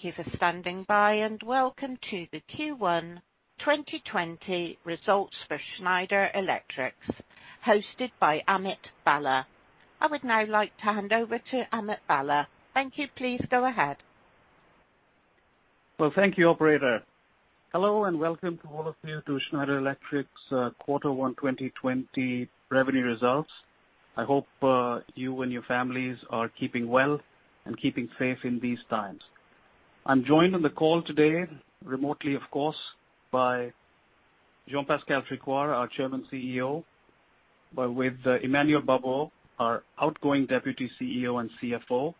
Thank you for standing by. Welcome to the Q1 2020 results for Schneider Electric, hosted by Amit Bhalla. I would now like to hand over to Amit Bhalla. Thank you. Please go ahead. Well, thank you, operator. Hello, welcome to all of you to Schneider Electric's Q1 2020 revenue results. I hope you and your families are keeping well and keeping safe in these times. I'm joined on the call today, remotely of course, by Jean-Pascal Tricoire, our Chairman CEO, with Emmanuel Babeau, our outgoing Deputy CEO and CFO,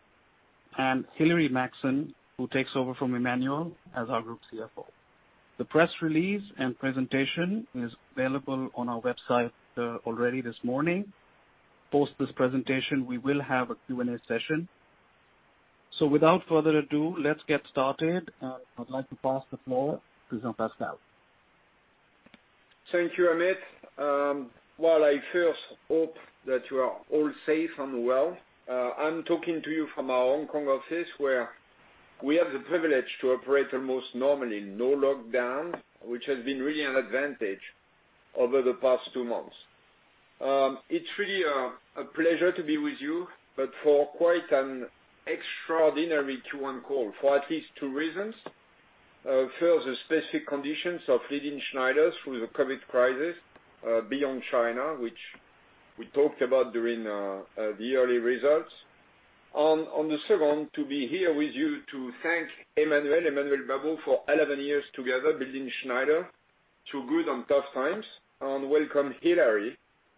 and Hilary Maxson, who takes over from Emmanuel as our Group CFO. The press release and presentation is available on our website already this morning. Post this presentation, we will have a Q&A session. Without further ado, let's get started. I would like to pass the floor to Jean-Pascal. Thank you, Amit. Well, I first hope that you are all safe and well. I'm talking to you from our Hong Kong office, where we have the privilege to operate almost normally, no lockdown, which has been really an advantage over the past two months. It's really a pleasure to be with you, but for quite an extraordinary Q1 call, for at least two reasons. First, the specific conditions of leading Schneider through the COVID crisis, beyond China, which we talked about during the yearly results. The second, to be here with you to thank Emmanuel Babeau for 11 years together building Schneider through good and tough times, and welcome Hilary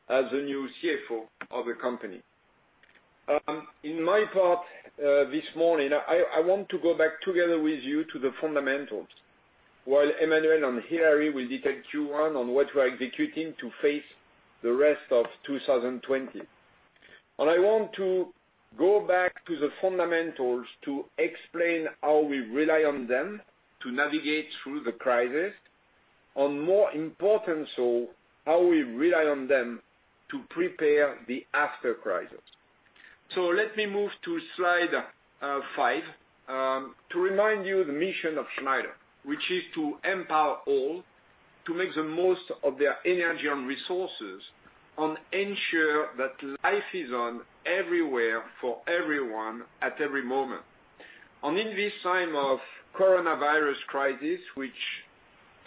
as the new CFO of the company. In my part this morning, I want to go back together with you to the fundamentals, while Emmanuel and Hilary will detail Q1 on what we are executing to face the rest of 2020. I want to go back to the fundamentals to explain how we rely on them to navigate through the crisis, and more important so, how we rely on them to prepare the after crisis. Let me move to slide five, to remind you the mission of Schneider Electric, which is to empower all to make the most of their energy and resources, and ensure that life is on everywhere for everyone at every moment. In this time of coronavirus crisis, which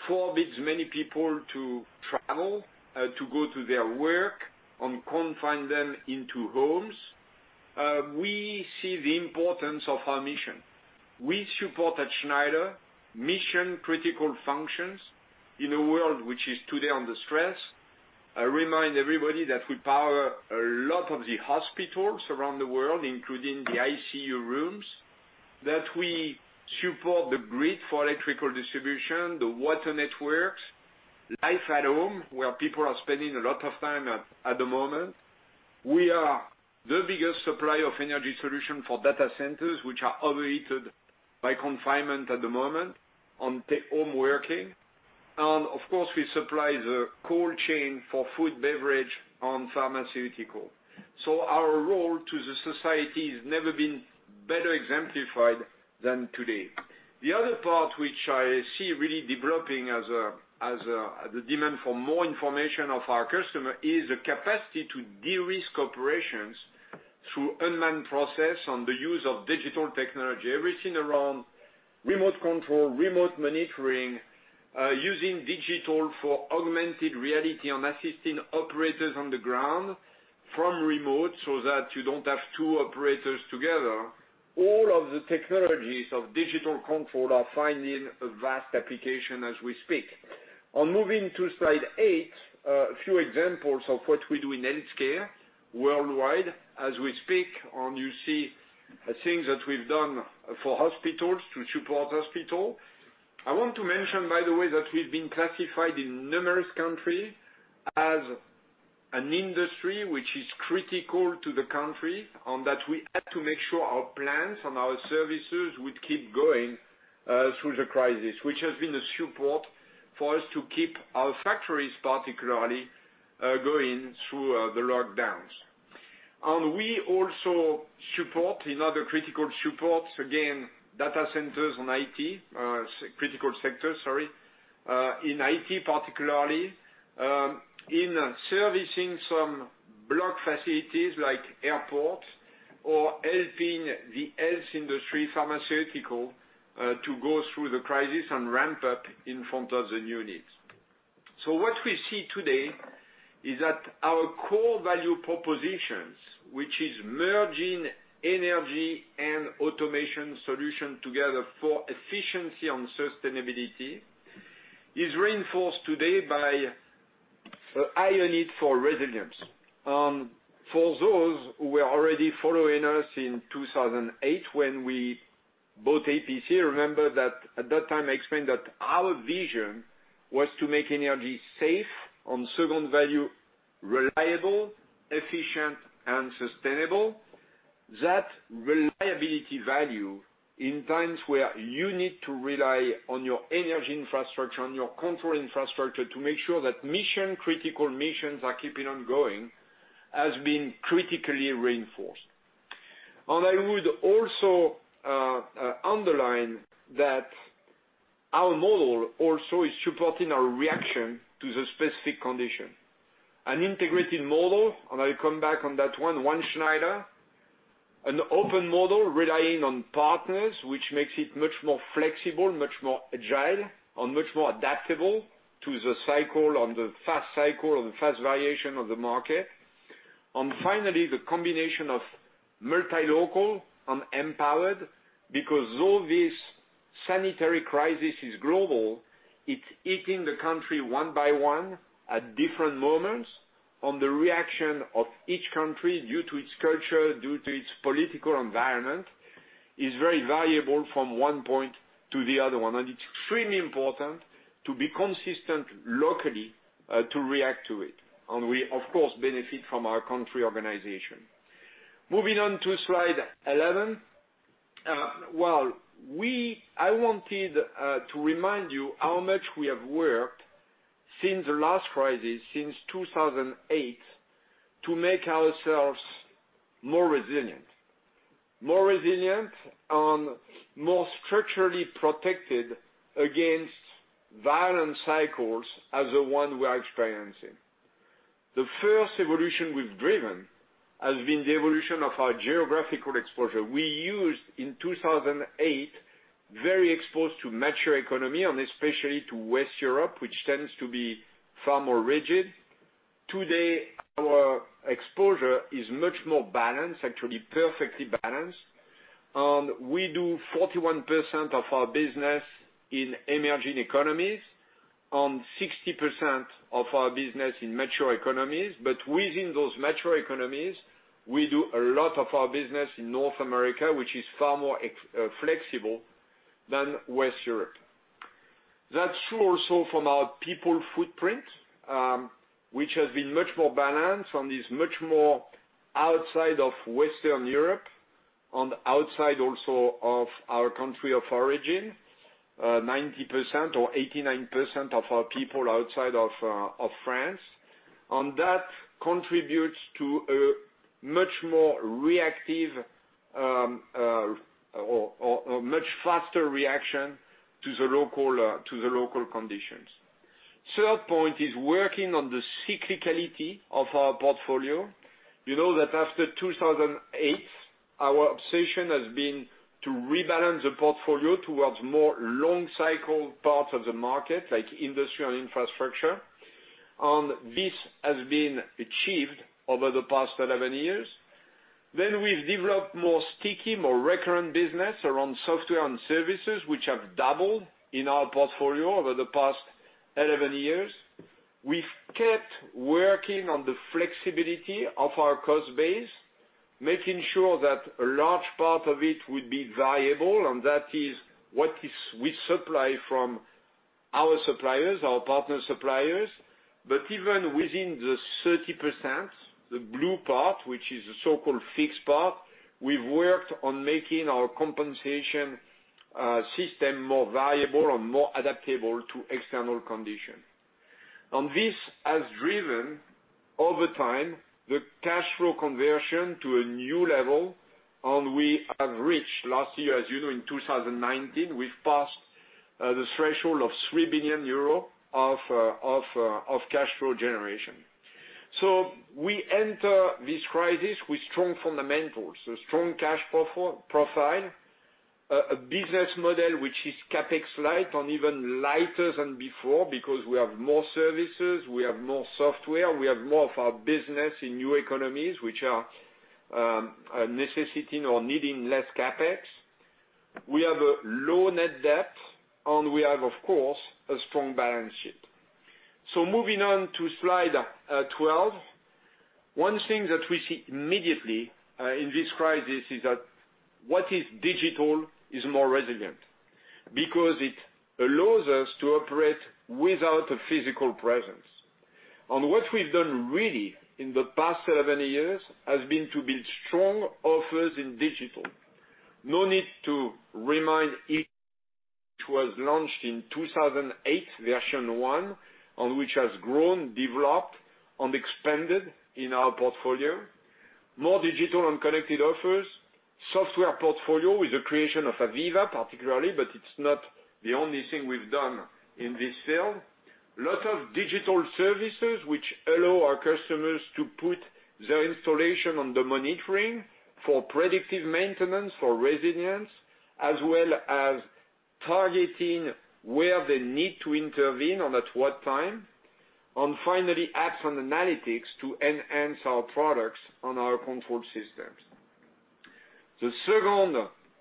forbids many people to travel, to go to their work, and confine them into homes, we see the importance of our mission. We support at Schneider mission-critical functions in a world which is today under stress. I remind everybody that we power a lot of the hospitals around the world, including the ICU rooms, that we support the grid for electrical distribution, the water networks, life at home, where people are spending a lot of time at the moment. We are the biggest supplier of energy solution for Data Centers, which are overheated by confinement at the moment and take home working. Of course, we supply the cold chain for food, beverage, and pharmaceutical. Our role to the society has never been better exemplified than today. The other part which I see really developing as the demand for more information of our customer is the capacity to de-risk operations through unmanned process and the use of digital technology. Everything around remote control, remote monitoring, using digital for augmented reality and assisting operators on the ground from remote so that you don't have two operators together. All of the technologies of digital control are finding a vast application as we speak. On moving to slide eight, a few examples of what we do in healthcare worldwide as we speak. You see things that we've done for hospitals to support hospital. I want to mention, by the way, that we've been classified in numerous countries as an industry which is critical to the country, and that we had to make sure our plans and our services would keep going through the crisis, which has been a support for us to keep our factories particularly, going through the lockdowns. We also support in other critical supports, again, Data Centers and IT, critical sector, in IT particularly, in servicing some block facilities like airports or helping the health industry pharmaceutical, to go through the crisis and ramp up in front of the new needs. What we see today is that our core value propositions, which is merging energy and automation solution together for efficiency and sustainability, is reinforced today by a higher need for resilience. For those who were already following us in 2008 when we bought APC, remember that at that time, I explained that our vision was to make energy safe, and second value, reliable, efficient and sustainable. That reliability value in times where you need to rely on your energy infrastructure, on your control infrastructure to make sure that mission-critical missions are keeping on going has been critically reinforced. I would also underline that our model also is supporting our reaction to the specific condition. An integrated model, and I come back on that one, One Schneider, an open model relying on partners, which makes it much more flexible, much more agile, and much more adaptable to the cycle, on the fast cycle, on the fast variation of the market. Finally, the combination of multi-local and empowered, because all this sanitary crisis is global. It's hitting the country one by one at different moments, and the reaction of each country, due to its culture, due to its political environment, is very variable from one point to the other one. It's extremely important to be consistent locally to react to it. We, of course, benefit from our country organization. Moving on to slide 11. Well, I wanted to remind you how much we have worked since the last crisis, since 2008, to make ourselves more resilient. More resilient and more structurally protected against violent cycles as the one we are experiencing. The first evolution we've driven has been the evolution of our geographical exposure. We used, in 2008, very exposed to mature economy, and especially to Western Europe, which tends to be far more rigid. Today, our exposure is much more balanced, actually perfectly balanced. We do 41% of our business in emerging economies and 60% of our business in mature economies. Within those mature economies, we do a lot of our business in North America, which is far more flexible than Western Europe. That's true also from our people footprint, which has been much more balanced and is much more outside of Western Europe, and outside also of our country of origin. 90% or 89% of our people are outside of France. That contributes to a much more reactive or much faster reaction to the local conditions. Third point is working on the cyclicality of our portfolio. You know that after 2008, our obsession has been to rebalance the portfolio towards more long cycle parts of the market, like industry and infrastructure. This has been achieved over the past 11 years. We've developed more sticky, more recurrent business around software and services, which have doubled in our portfolio over the past 11 years. We've kept working on the flexibility of our cost base, making sure that a large part of it would be variable, and that is what we supply from our suppliers, our partner suppliers. Even within the 30%, the blue part, which is the so-called fixed part, we've worked on making our compensation system more variable and more adaptable to external condition. This has driven, over time, the cash flow conversion to a new level, and we have reached last year, as you know, in 2019, we've passed the threshold of 3 billion euro of cash flow generation. We enter this crisis with strong fundamentals, a strong cash profile, a business model which is CapEx light and even lighter than before because we have more services, we have more software, we have more of our business in new economies, which are necessitating or needing less CapEx. We have a low net debt, and we have, of course, a strong balance sheet. Moving on to slide 12. One thing that we see immediately in this crisis is that what is digital is more resilient because it allows us to operate without a physical presence. What we've done really in the past 11 years has been to build strong offers in digital. No need to remind EcoStruxure, which was launched in 2008, version one, and which has grown, developed, and expanded in our portfolio. More digital and connected offers. Software portfolio with the creation of AVEVA particularly, but it's not the only thing we've done in this field. Lot of digital services which allow our customers to put their installation on the monitoring for predictive maintenance, for resilience, as well as targeting where they need to intervene and at what time. Finally, apps and analytics to enhance our products and our control systems. The second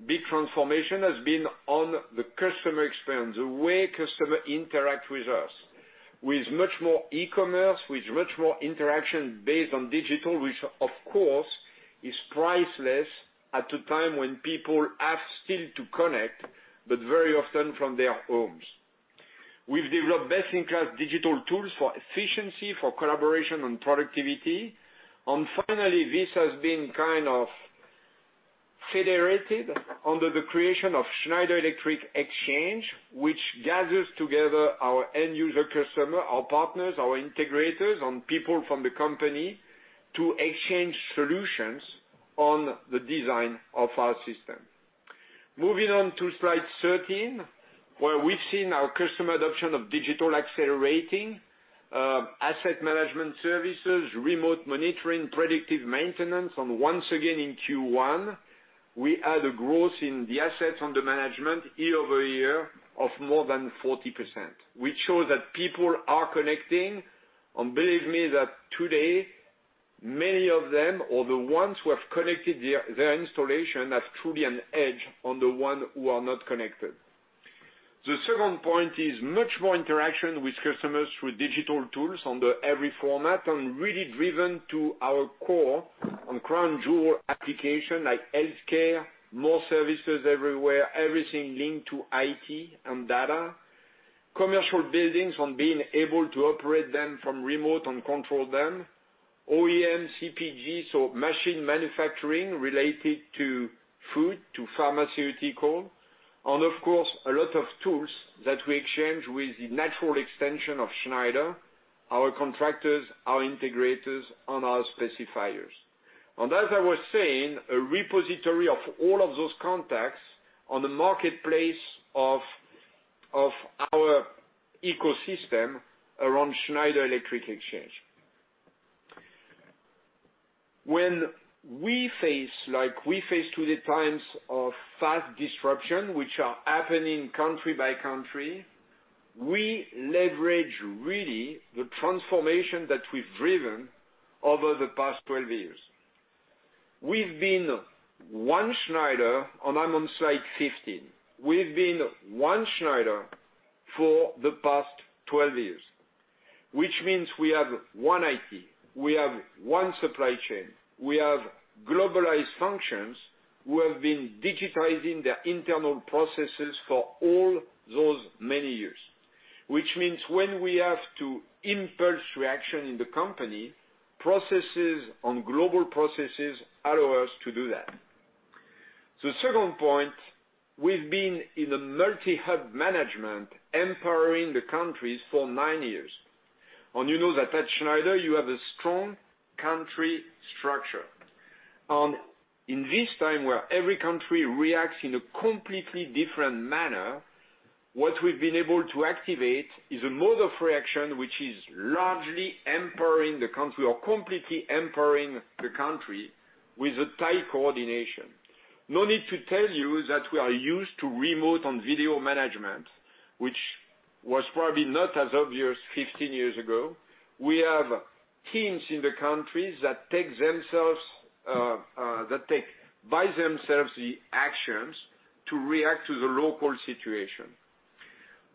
big transformation has been on the customer experience, the way customer interact with us. With much more e-commerce, with much more interaction based on digital, which of course is priceless at a time when people have still to connect, but very often from their homes. We've developed best-in-class digital tools for efficiency, for collaboration, and productivity. Finally, this has been kind of Federated under the creation of Schneider Electric Exchange, which gathers together our end user customer, our partners, our integrators, and people from the company to exchange solutions on the design of our system. Moving on to slide 13, where we've seen our customer adoption of digital accelerating, asset management services, remote monitoring, predictive maintenance. Once again, in Q1, we had a growth in the assets under management year-over-year of more than 40%, which shows that people are connecting. Believe me that today, many of them, or the ones who have connected their installation, have truly an edge on the one who are not connected. The second point is much more interaction with customers through digital tools under every format, and really driven to our core and crown jewel application like healthcare, more services everywhere, everything linked to IT and data. Commercial buildings and being able to operate them from remote and control them. OEM, CPG, so machine manufacturing related to food, to pharmaceutical, and of course, a lot of tools that we exchange with the natural extension of Schneider, our contractors, our integrators, and our specifiers. As I was saying, a repository of all of those contacts on the marketplace of our ecosystem around Schneider Electric Exchange. When we face today times of fast disruption, which are happening country by country, we leverage really the transformation that we've driven over the past 12 years. We've been One Schneider. I'm on slide 15. We've been One Schneider for the past 12 years, which means we have one IT, we have one supply chain, we have globalized functions who have been digitizing their internal processes for all those many years, which means when we have to impulse reaction in the company, processes and global processes allow us to do that. The second point, we've been in the multi-hub management, empowering the countries for nine years. You know that at Schneider, you have a strong country structure. In this time where every country reacts in a completely different manner, what we've been able to activate is a mode of reaction which is largely empowering the country or completely empowering the country with a tight coordination. No need to tell you that we are used to remote and video management, which was probably not as obvious 15 years ago. We have teams in the countries that take by themselves the actions to react to the local situation.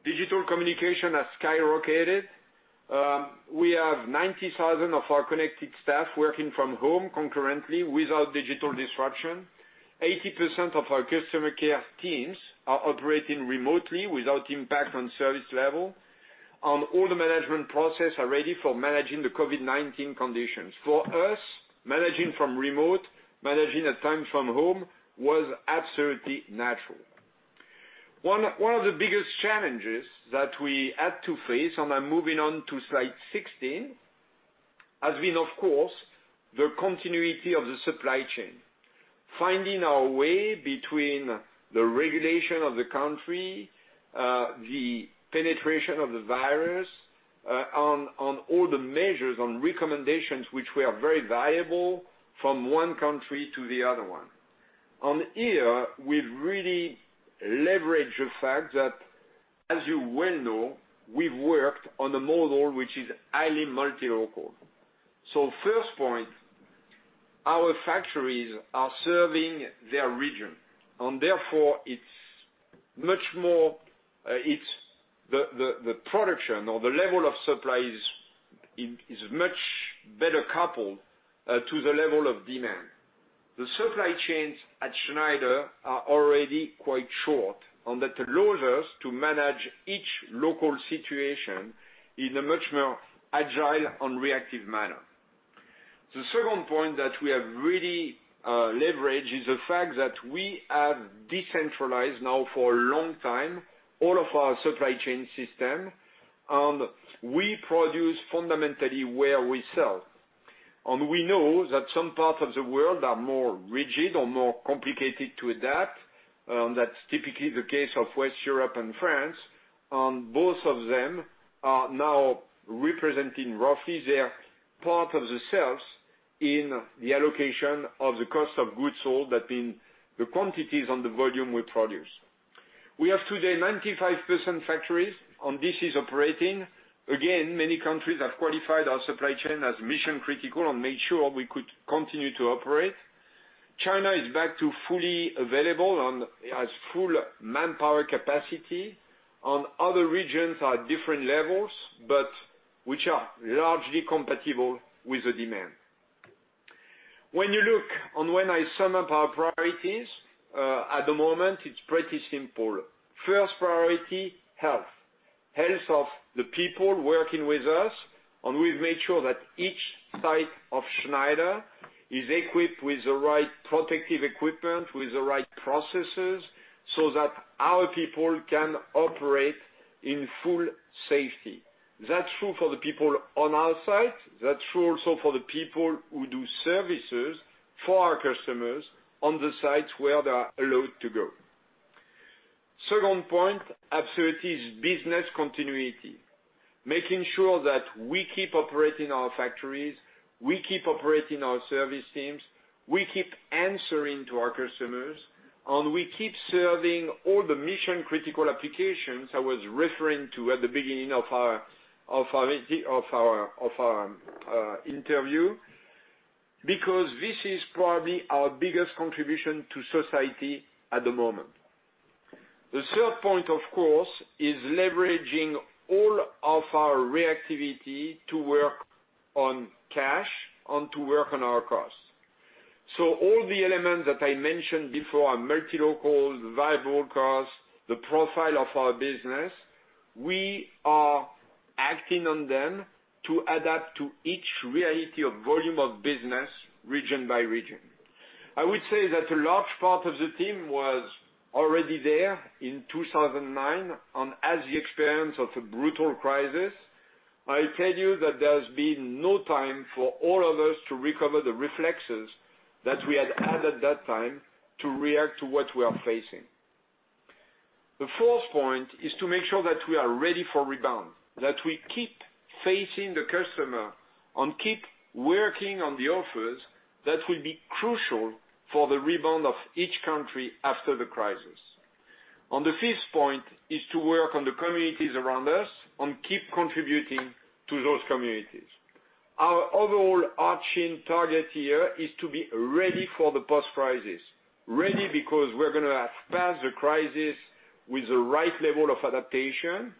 Digital communication has skyrocketed. We have 90,000 of our connected staff working from home concurrently without digital disruption. 80% of our customer care teams are operating remotely without impact on service level, and all the management process are ready for managing the COVID-19 conditions. For us, managing from remote, managing at time from home was absolutely natural. One of the biggest challenges that we had to face, and I'm moving on to slide 16, has been, of course, the continuity of the supply chain, finding our way between the regulation of the country, the penetration of the virus, and all the measures and recommendations which were very valuable from one country to the other one. Here, we've really leveraged the fact that, as you well know, we've worked on a model which is highly multi-local. First point, our factories are serving their region, and therefore, the production or the level of supply is much better coupled to the level of demand. The supply chains at Schneider are already quite short, and that allows us to manage each local situation in a much more agile and reactive manner. The second point that we have really leveraged is the fact that we have decentralized now for a long time, all of our supply chain system, and we produce fundamentally where we sell. We know that some parts of the world are more rigid or more complicated to adapt, and that's typically the case of West Europe and France, and both of them are now representing roughly their part of the sales in the allocation of the cost of goods sold, that means the quantities and the volume we produce. We have today 95% factories, and this is operating. Again, many countries have qualified our supply chain as mission-critical and made sure we could continue to operate. China is back to fully available and has full manpower capacity, and other regions are different levels, but which are largely compatible with the demand. When you look and when I sum up our priorities, at the moment, it's pretty simple. First priority, health. Health of the people working with us, and we've made sure that each site of Schneider is equipped with the right protective equipment, with the right processes, so that our people can operate in full safety. That's true for the people on our site. That's true also for the people who do services for our customers on the sites where they are allowed to go. Second point, absolutely, is business continuity, making sure that we keep operating our factories, we keep operating our service teams, we keep answering to our customers, and we keep serving all the mission-critical applications I was referring to at the beginning of our interview, because this is probably our biggest contribution to society at the moment. The third point, of course, is leveraging all of our reactivity to work on cash and to work on our costs. All the elements that I mentioned before, multi-local, variable costs, the profile of our business, we are acting on them to adapt to each reality of volume of business region by region. I would say that a large part of the team was already there in 2009 and has the experience of a brutal crisis. I tell you that there's been no time for all of us to recover the reflexes that we had had at that time to react to what we are facing. The fourth point is to make sure that we are ready for rebound, that we keep facing the customer and keep working on the offers that will be crucial for the rebound of each country after the crisis. The fifth point is to work on the communities around us and keep contributing to those communities. Our overall-arching target here is to be ready for the post-crisis. Ready because we're going to pass the crisis with the right level of adaptation,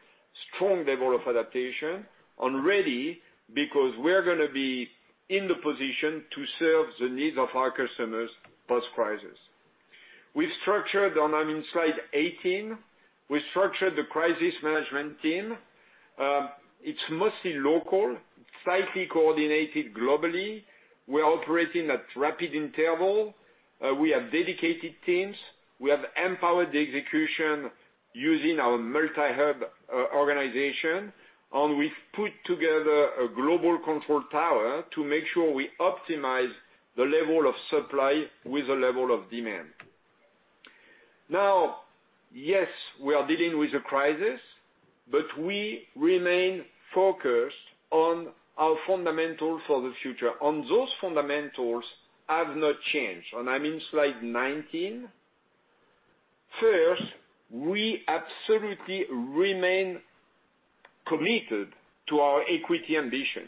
strong level of adaptation, and ready because we're going to be in the position to serve the needs of our customers post-crisis. We've structured, and I'm in slide 18, we've structured the crisis management team. It's mostly local, tightly coordinated globally. We are operating at rapid interval. We have dedicated teams. We have empowered the execution using our multi-hub organization, and we've put together a global control tower to make sure we optimize the level of supply with the level of demand. Yes, we are dealing with a crisis, but we remain focused on our fundamentals for the future. Those fundamentals have not changed. I'm in slide 19. First, we absolutely remain committed to our equity ambition,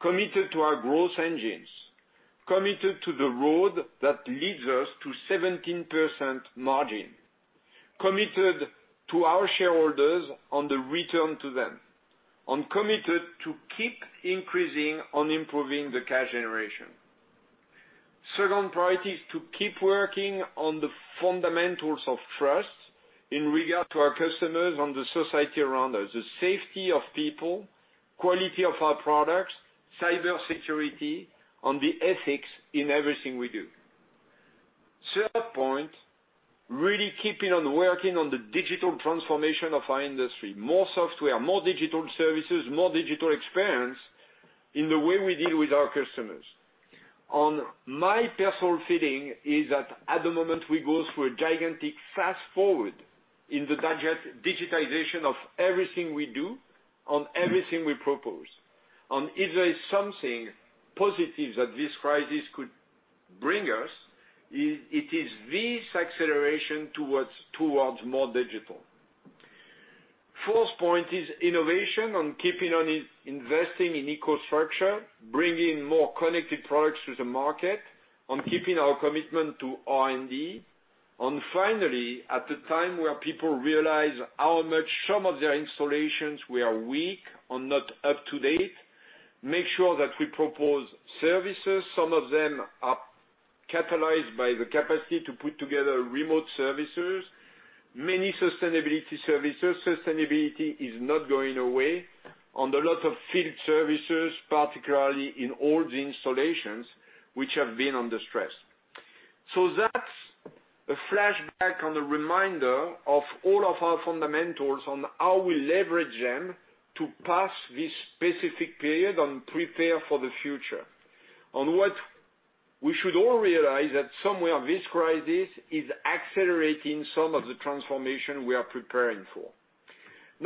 committed to our growth engines, committed to the road that leads us to 17% margin, committed to our shareholders on the return to them, and committed to keep increasing on improving the cash generation. Second priority is to keep working on the fundamentals of trust in regard to our customers and the society around us, the safety of people, quality of our products, cybersecurity, and the ethics in everything we do. Third point, really keeping on working on the digital transformation of our industry, more software, more digital services, more digital experience in the way we deal with our customers. My personal feeling is that at the moment, we go through a gigantic fast-forward in the digitization of everything we do and everything we propose. If there is something positive that this crisis could bring us, it is this acceleration towards more digital. Fourth point is innovation and keeping on investing in infrastructure, bringing more connected products to the market, and keeping our commitment to R&D. Finally, at the time where people realize how much some of their installations were weak or not up to date, make sure that we propose services. Some of them are catalyzed by the capacity to put together remote services, many sustainability services. Sustainability is not going away. A lot of field services, particularly in all the installations which have been under stress. That's a flashback and a reminder of all of our fundamentals and how we leverage them to pass this specific period and prepare for the future. What we should all realize that somewhere this crisis is accelerating some of the transformation we are preparing for.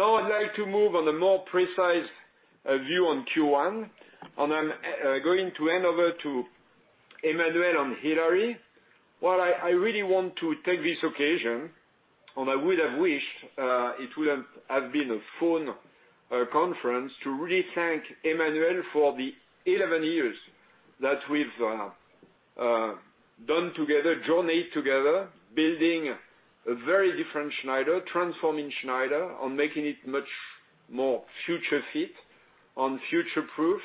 I'd like to move on a more precise view on Q1, and I'm going to hand over to Emmanuel and Hilary. I really want to take this occasion, and I would have wished it would have been a phone conference, to really thank Emmanuel for the 11 years that we've done together, journeyed together, building a very different Schneider, transforming Schneider and making it much more future fit and future-proof.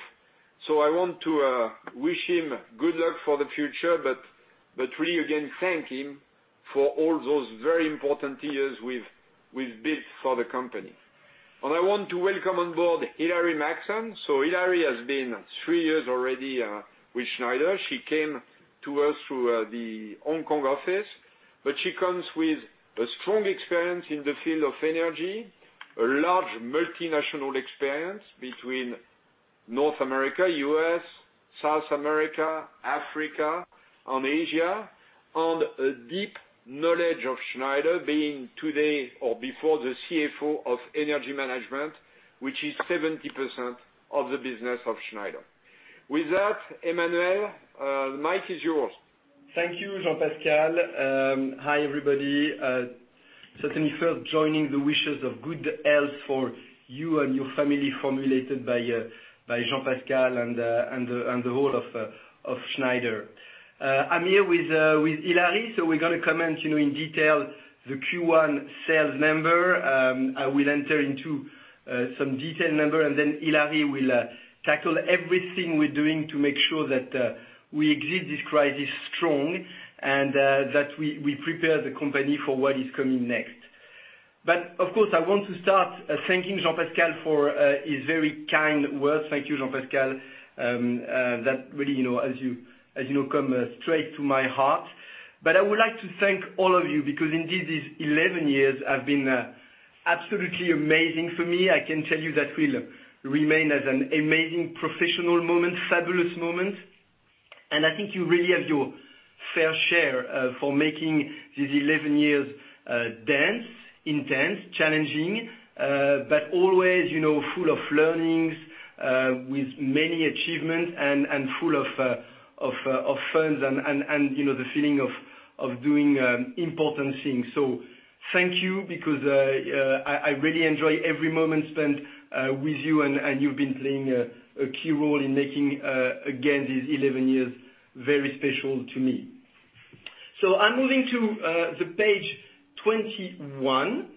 I want to wish him good luck for the future, but really, again, thank him for all those very important years we've built for the company. I want to welcome on board Hilary Maxson. Hilary has been three years already with Schneider. She came to us through the Hong Kong office, but she comes with a strong experience in the field of energy, a large multinational experience between North America, U.S., South America, Africa, and Asia, and a deep knowledge of Schneider, being today or before, the CFO of Energy Management, which is 70% of the business of Schneider. With that, Emmanuel, the mic is yours. Thank you, Jean-Pascal. Hi, everybody. Certainly, first joining the wishes of good health for you and your family, formulated by Jean-Pascal and the whole of Schneider. I'm here with Hilary, we're going to comment in detail the Q1 sales number. I will enter into some detailed number, and then Hilary will tackle everything we're doing to make sure that we exit this crisis strong, and that we prepare the company for what is coming next. Of course, I want to start thanking Jean-Pascal for his very kind words. Thank you, Jean-Pascal. That really, as you know, come straight to my heart. I would like to thank all of you because indeed, these 11 years have been absolutely amazing for me. I can tell you that will remain as an amazing professional moment, fabulous moment, and I think you really have your fair share for making these 11 years dense, intense, challenging, but always full of learnings, with many achievements, and full of fun and the feeling of doing important things. Thank you, because I really enjoy every moment spent with you, and you've been playing a key role in making, again, these 11 years very special to me. I'm moving to page 21,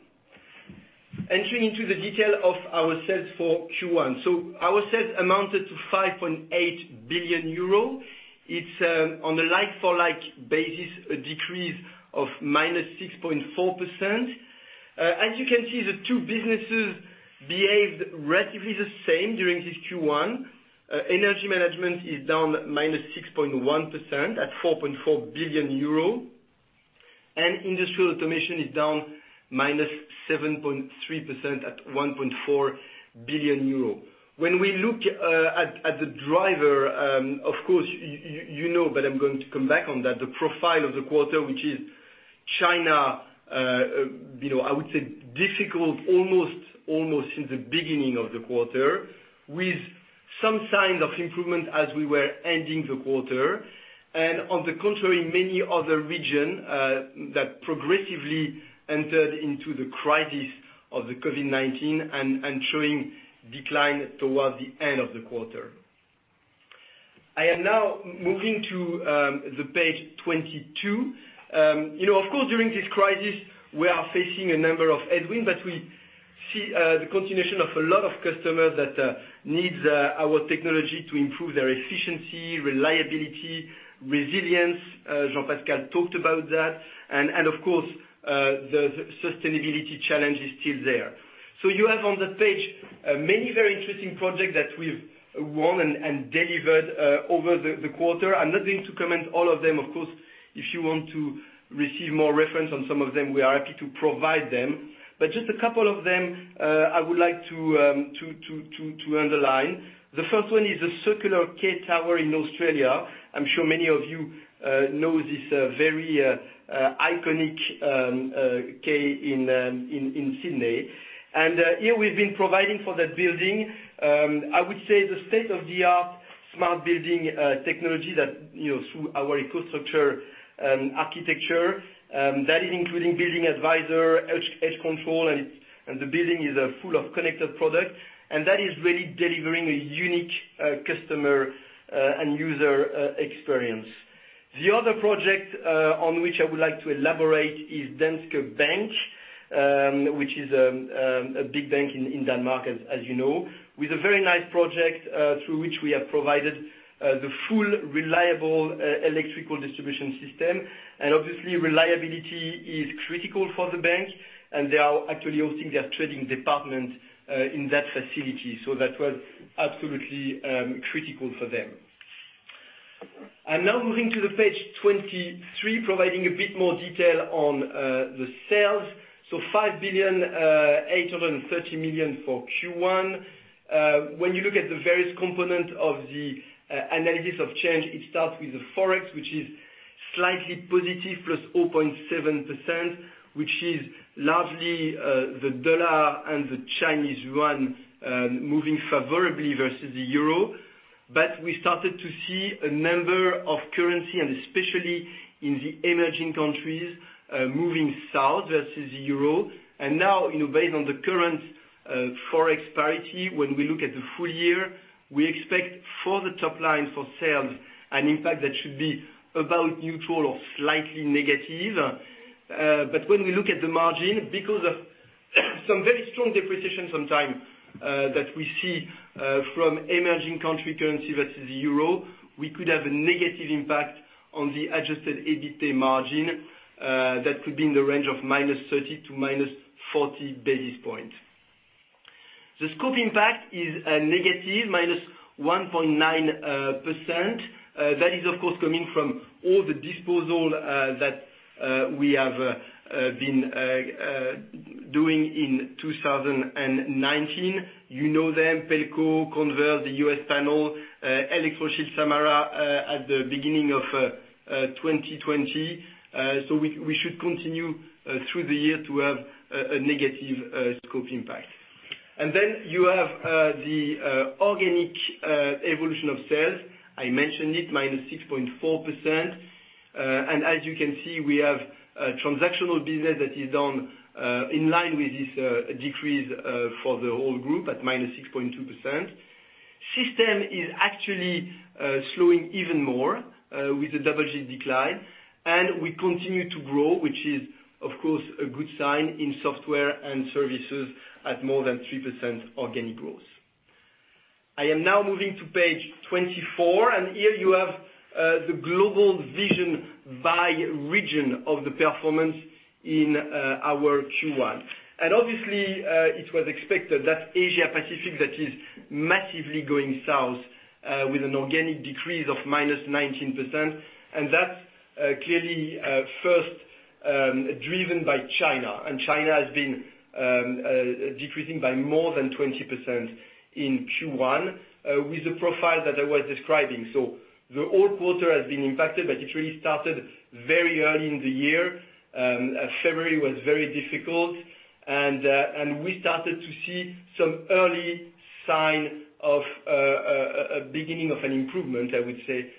entering into the detail of our sales for Q1. Our sales amounted to 5.8 billion euro. It's, on a like-for-like basis, a decrease of -6.4%. As you can see, the two businesses behaved relatively the same during this Q1. Energy Management is down -6.1% at 4.4 billion euro, and Industrial Automation is down -7.3% at 1.4 billion euro. When we look at the driver, of course, you know, but I'm going to come back on that, the profile of the quarter, which is China, I would say difficult almost since the beginning of the quarter, with some signs of improvement as we were ending the quarter. On the contrary, many other region that progressively entered into the crisis of the COVID-19 and showing decline towards the end of the quarter. I am now moving to page 22. Of course, during this crisis, we are facing a number of headwind, but we see the continuation of a lot of customers that need our technology to improve their efficiency, reliability, resilience. Jean-Pascal talked about that, and of course, the sustainability challenge is still there. You have on that page, many very interesting projects that we've won and delivered over the quarter. I'm not going to comment all of them. Of course, if you want to receive more reference on some of them, we are happy to provide them. Just a couple of them, I would like to underline. The first one is the Circular Quay Tower in Australia. I'm sure many of you know this very iconic quay in Sydney. Here, we've been providing for that building, I would say, the state-of-the-art smart building technology that through our EcoStruxure architecture, that is including Building Advisor, Edge Control, and the building is full of connected product, and that is really delivering a unique customer and user experience. The other project on which I would like to elaborate is Danske Bank, which is a big bank in Denmark, as you know. With a very nice project, through which we have provided the full reliable electrical distribution system, obviously, reliability is critical for the bank, they are actually hosting their trading department in that facility. That was absolutely critical for them. I am now moving to page 23, providing a bit more detail on the sales. 5.830 billion for Q1. When you look at the various component of the analysis of change, it starts with the Forex, which is slightly positive, +0.7%, which is largely the U.S. dollar and the Chinese yuan moving favorably versus the euro. We started to see a number of currency, and especially in the emerging countries, moving south versus euro. Now, based on the current Forex parity, when we look at the full year, we expect for the top line for sales, an impact that should be about neutral or slightly negative. When we look at the margin, because of some very strong depreciation sometime that we see from emerging country currency versus euro, we could have a negative impact on the adjusted EBITA margin that could be in the range of -30 to -40 basis points. The scope impact is a negative, -1.9%. That is, of course, coming from all the disposal that we have been doing in 2019. You know them, Pelco, Converse, the US Panel, Electroshield Samara at the beginning of 2020. We should continue through the year to have a negative scope impact. You have the organic evolution of sales. I mentioned it, -6.4%. As you can see, we have transactional business that is on in line with this decrease for the whole group at -6.2%. System is actually slowing even more with a double-digit decline, we continue to grow, which is, of course, a good sign in software and services at more than 3% organic growth. I am now moving to page 24, here you have the global vision by region of the performance in our Q1. Obviously, it was expected that Asia Pacific that is massively going south with an organic decrease of -19%. That's clearly first driven by China. China has been decreasing by more than 20% in Q1 with the profile that I was describing. The whole quarter has been impacted, it really started very early in the year. February was very difficult, we started to see some early sign of a beginning of an improvement, I would say,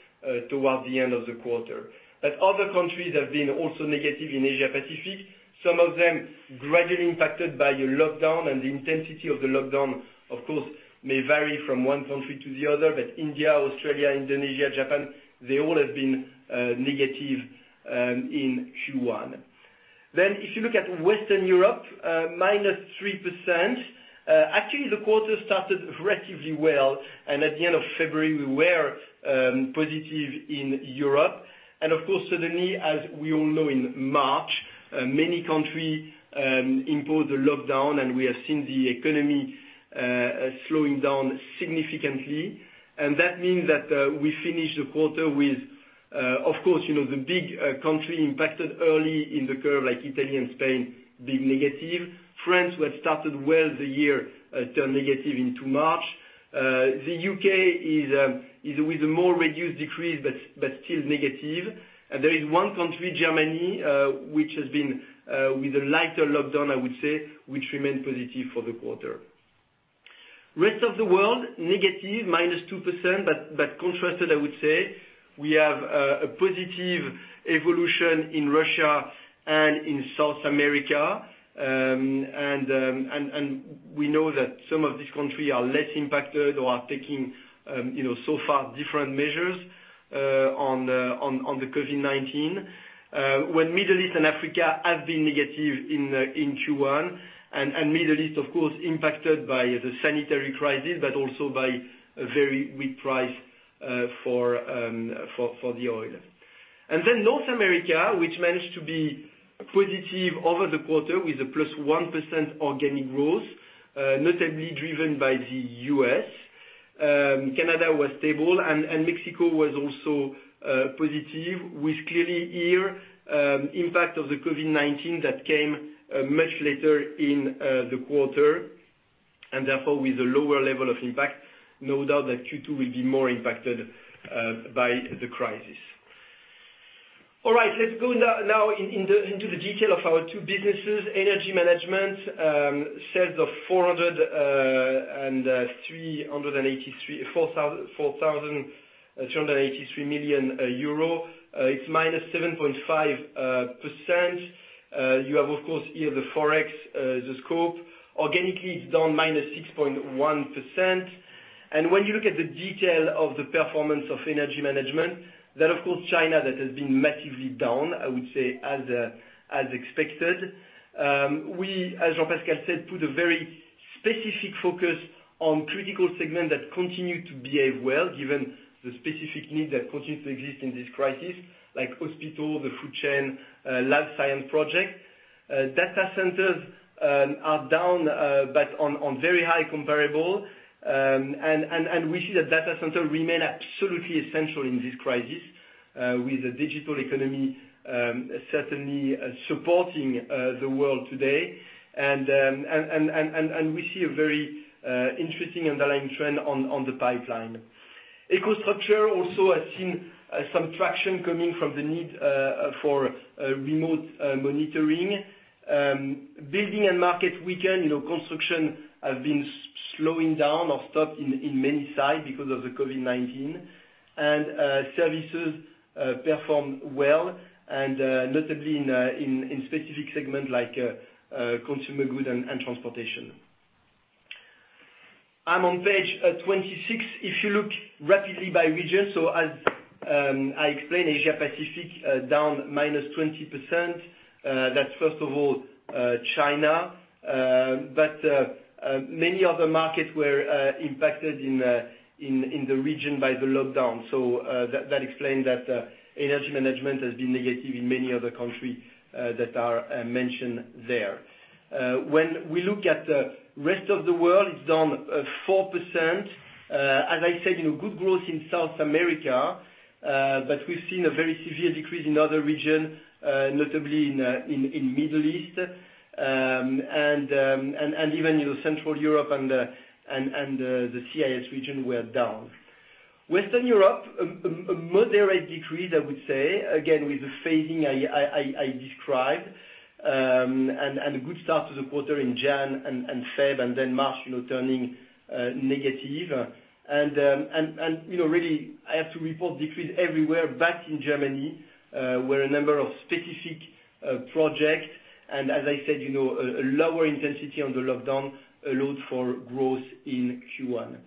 towards the end of the quarter. Other countries have been also negative in Asia-Pacific. Some of them gradually impacted by a lockdown and the intensity of the lockdown, of course, may vary from one country to the other, but India, Australia, Indonesia, Japan, they all have been negative in Q1. If you look at Western Europe, minus 3%. Actually, the quarter started relatively well, and at the end of February, we were positive in Europe. Of course, suddenly, as we all know in March, many country imposed a lockdown, and we have seen the economy slowing down significantly. That means that we finish the quarter with, of course, the big country impacted early in the curve, like Italy and Spain, being negative. France, who had started well the year, turned negative into March. The U.K. is with a more reduced decrease, but still negative. There is one country, Germany, which has been with a lighter lockdown, I would say, which remained positive for the quarter. Rest of the world, negative, -2%, but contrasted, I would say. We have a positive evolution in Russia and in South America. We know that some of these country are less impacted or are taking so far different measures on the COVID-19. When Middle East and Africa have been negative in Q1, and Middle East, of course, impacted by the sanitary crisis, but also by a very weak price for the oil. North America, which managed to be positive over the quarter with a +1% organic growth, notably driven by the U.S. Canada was stable, and Mexico was also positive with clearly here impact of the COVID-19 that came much later in the quarter, and therefore with a lower level of impact. No doubt that Q2 will be more impacted by the crisis. Let's go now into the detail of our two businesses. Energy Management, sales of EUR 4,283 million. It's -7.5%. You have, of course, here the Forex, the scope. Organically, it's down -6.1%. When you look at the detail of the performance of Energy Management, that of course, China, that has been massively down, I would say as expected. We, as Jean-Pascal said, put a very specific focus on critical segment that continue to behave well, given the specific need that continues to exist in this crisis, like hospital, the food chain, lab science project. Data Centers are down, but on very high comparable. We see that Data Center remain absolutely essential in this crisis, with the digital economy certainly supporting the world today. We see a very interesting underlying trend on the pipeline. EcoStruxure also has seen some traction coming from the need for remote monitoring. Building and market weakened, construction have been slowing down or stopped in many sites because of the COVID-19. Services performed well, and notably in specific segment like consumer goods and transportation. I'm on page 26. If you look rapidly by region, so as I explained, Asia Pacific, down -20%. That's first of all China. Many other markets were impacted in the region by the lockdown. That explains that Energy Management has been negative in many other countries that are mentioned there. When we look at the rest of the world, it's down 4%. As I said, good growth in South America, but we've seen a very severe decrease in other regions, notably in Middle East, and even Central Europe and the CIS region were down. Western Europe, a moderate decrease, I would say, again, with the phasing I described, and a good start to the quarter in January and February, and then March turning negative. Really, I have to report decrease everywhere. In Germany, where a number of specific projects, and as I said, a lower intensity on the lockdown allowed for growth in Q1.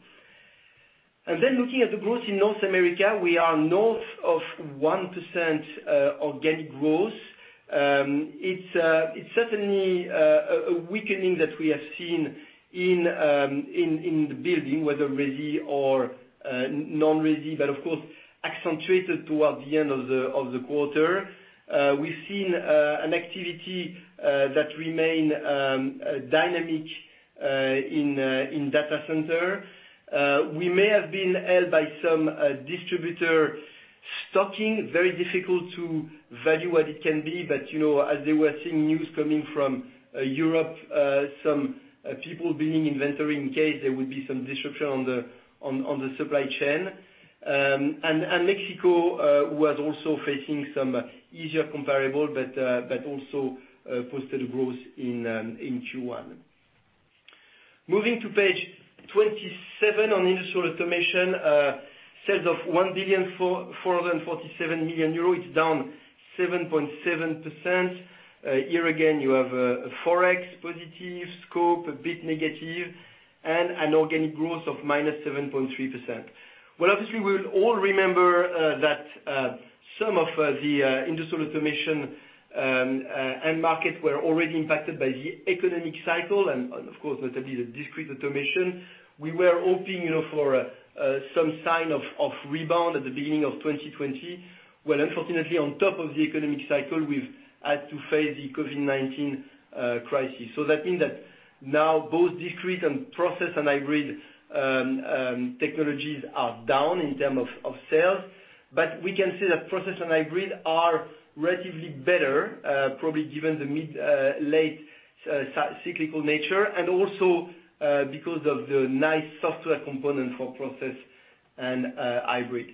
Looking at the growth in North America, we are north of 1% organic growth. It's certainly a weakening that we have seen in the building, whether resi or non-resi, but of course accentuated towards the end of the quarter. We've seen an activity that remain dynamic in Data Center. We may have been held by some distributor stocking. Very difficult to value what it can be, as they were seeing news coming from Europe, some people building inventory in case there would be some disruption on the supply chain. Mexico was also facing some easier comparable, also posted a growth in Q1. Moving to page 27 on Industrial Automation. Sales of 1,447 million euros, it's down 7.7%. Here again, you have a Forex positive scope, a bit negative, an organic growth of -7.3%. Well, obviously, we'll all remember that some of the Industrial Automation end markets were already impacted by the economic cycle, of course, notably the Discrete Automation. We were hoping for some sign of rebound at the beginning of 2020. Well, unfortunately, on top of the economic cycle, we've had to face the COVID-19 crisis. That means that now both discrete and process and hybrid technologies are down in terms of sales. We can say that process and hybrid are relatively better, probably given the mid-late cyclical nature and also because of the nice software component for process and hybrid.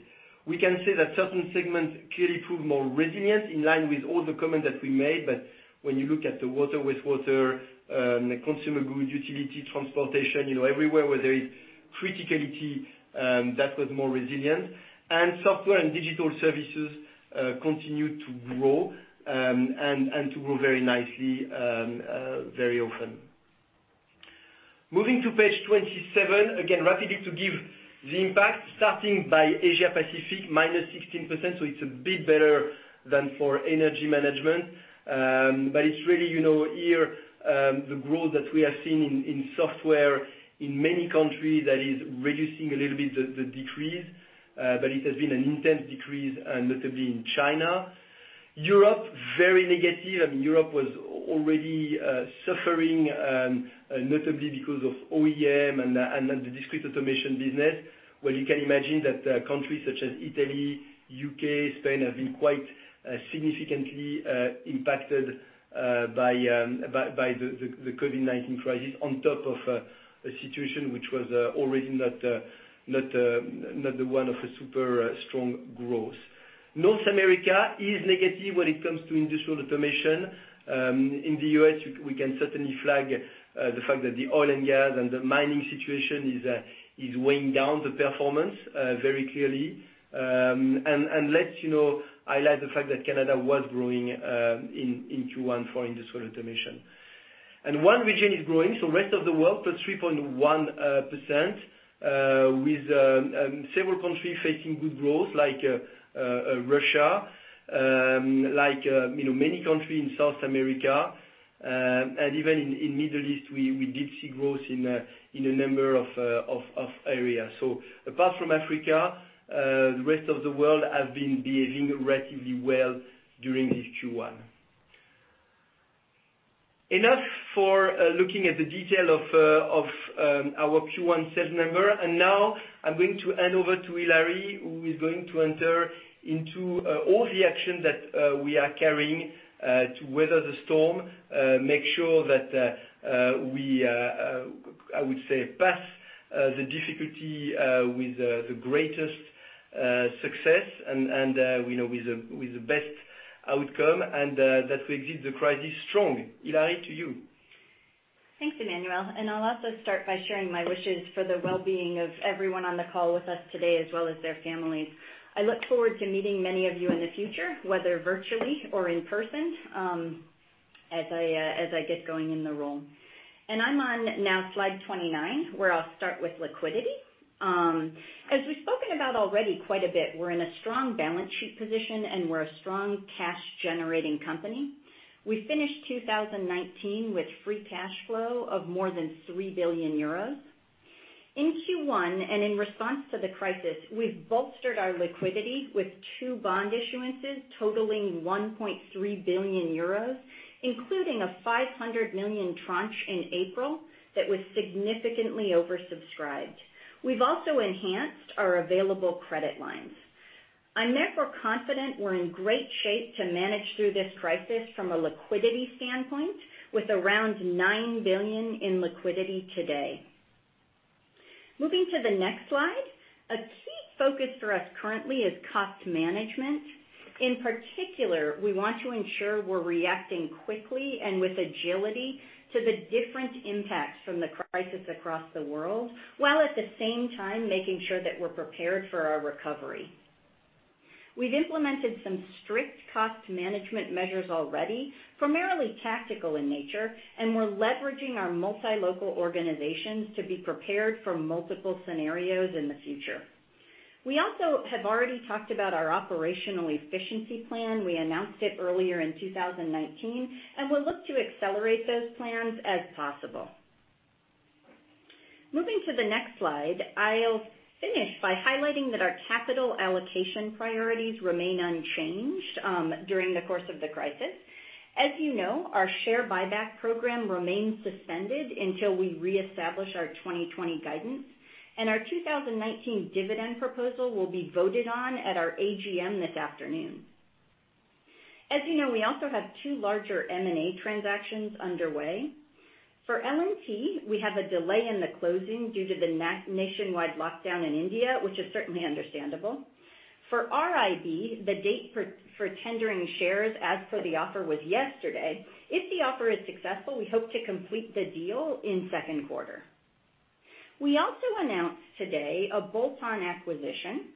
We can say that certain segments clearly prove more resilient in line with all the comments that we made. When you look at the water, consumer goods, utility, transportation, everywhere where there is criticality, that was more resilient. Software and digital services continue to grow and to grow very nicely very often. Moving to page 27, again, rapidly to give the impact, starting by Asia Pacific, -16%, so it's a bit better than for Energy Management. It's really here the growth that we have seen in software in many countries that is reducing a little bit the decrease. It has been an intense decrease, notably in China. Europe, very negative. Europe was already suffering, notably because of OEM and the Discrete Automation business. You can imagine that countries such as Italy, U.K., Spain have been quite significantly impacted by the COVID-19 crisis on top of a situation which was already not the one of a super strong growth. North America is negative when it comes to Industrial Automation. In the U.S., we can certainly flag the fact that the oil and gas and the mining situation is weighing down the performance very clearly. Let's highlight the fact that Canada was growing in Q1 for Industrial Automation. One region is growing, so rest of the world, +3.1%, with several countries facing good growth like Russia, like many countries in South America. Even in Middle East, we did see growth in a number of areas. Apart from Africa, the rest of the world have been behaving relatively well during this Q1. Enough for looking at the detail of our Q1 sales number. Now I'm going to hand over to Hilary, who is going to enter into all the action that we are carrying to weather the storm, make sure that we, I would say, pass the difficulty with the greatest success and with the best outcome, and that we exit the crisis strong. Hilary, to you. Thanks, Emmanuel. I'll also start by sharing my wishes for the well-being of everyone on the call with us today, as well as their families. I look forward to meeting many of you in the future, whether virtually or in person as I get going in the role. I'm on now slide 29, where I'll start with liquidity. As we've spoken about already quite a bit, we're in a strong balance sheet position, and we're a strong cash-generating company. We finished 2019 with free cash flow of more than 3 billion euros. In Q1, in response to the crisis, we've bolstered our liquidity with two bond issuances totaling 1.3 billion euros, including a 500 million tranche in April that was significantly oversubscribed. We've also enhanced our available credit lines. On net, we're confident we're in great shape to manage through this crisis from a liquidity standpoint, with around 9 billion in liquidity today. Moving to the next slide. A key focus for us currently is cost management. We want to ensure we're reacting quickly and with agility to the different impacts from the crisis across the world, while at the same time making sure that we're prepared for our recovery. We've implemented some strict cost management measures already, primarily tactical in nature, and we're leveraging our multi-local organizations to be prepared for multiple scenarios in the future. We also have already talked about our operational efficiency plan. We announced it earlier in 2019. We'll look to accelerate those plans as possible. Moving to the next slide, I'll finish by highlighting that our capital allocation priorities remain unchanged during the course of the crisis. As you know, our share buyback program remains suspended until we reestablish our 2020 guidance, and our 2019 dividend proposal will be voted on at our AGM this afternoon. As you know, we also have two larger M&A transactions underway. For L&T, we have a delay in the closing due to the nationwide lockdown in India, which is certainly understandable. For RIB, the date for tendering shares as per the offer was yesterday. If the offer is successful, we hope to complete the deal in Q2. We also announced today a bolt-on acquisition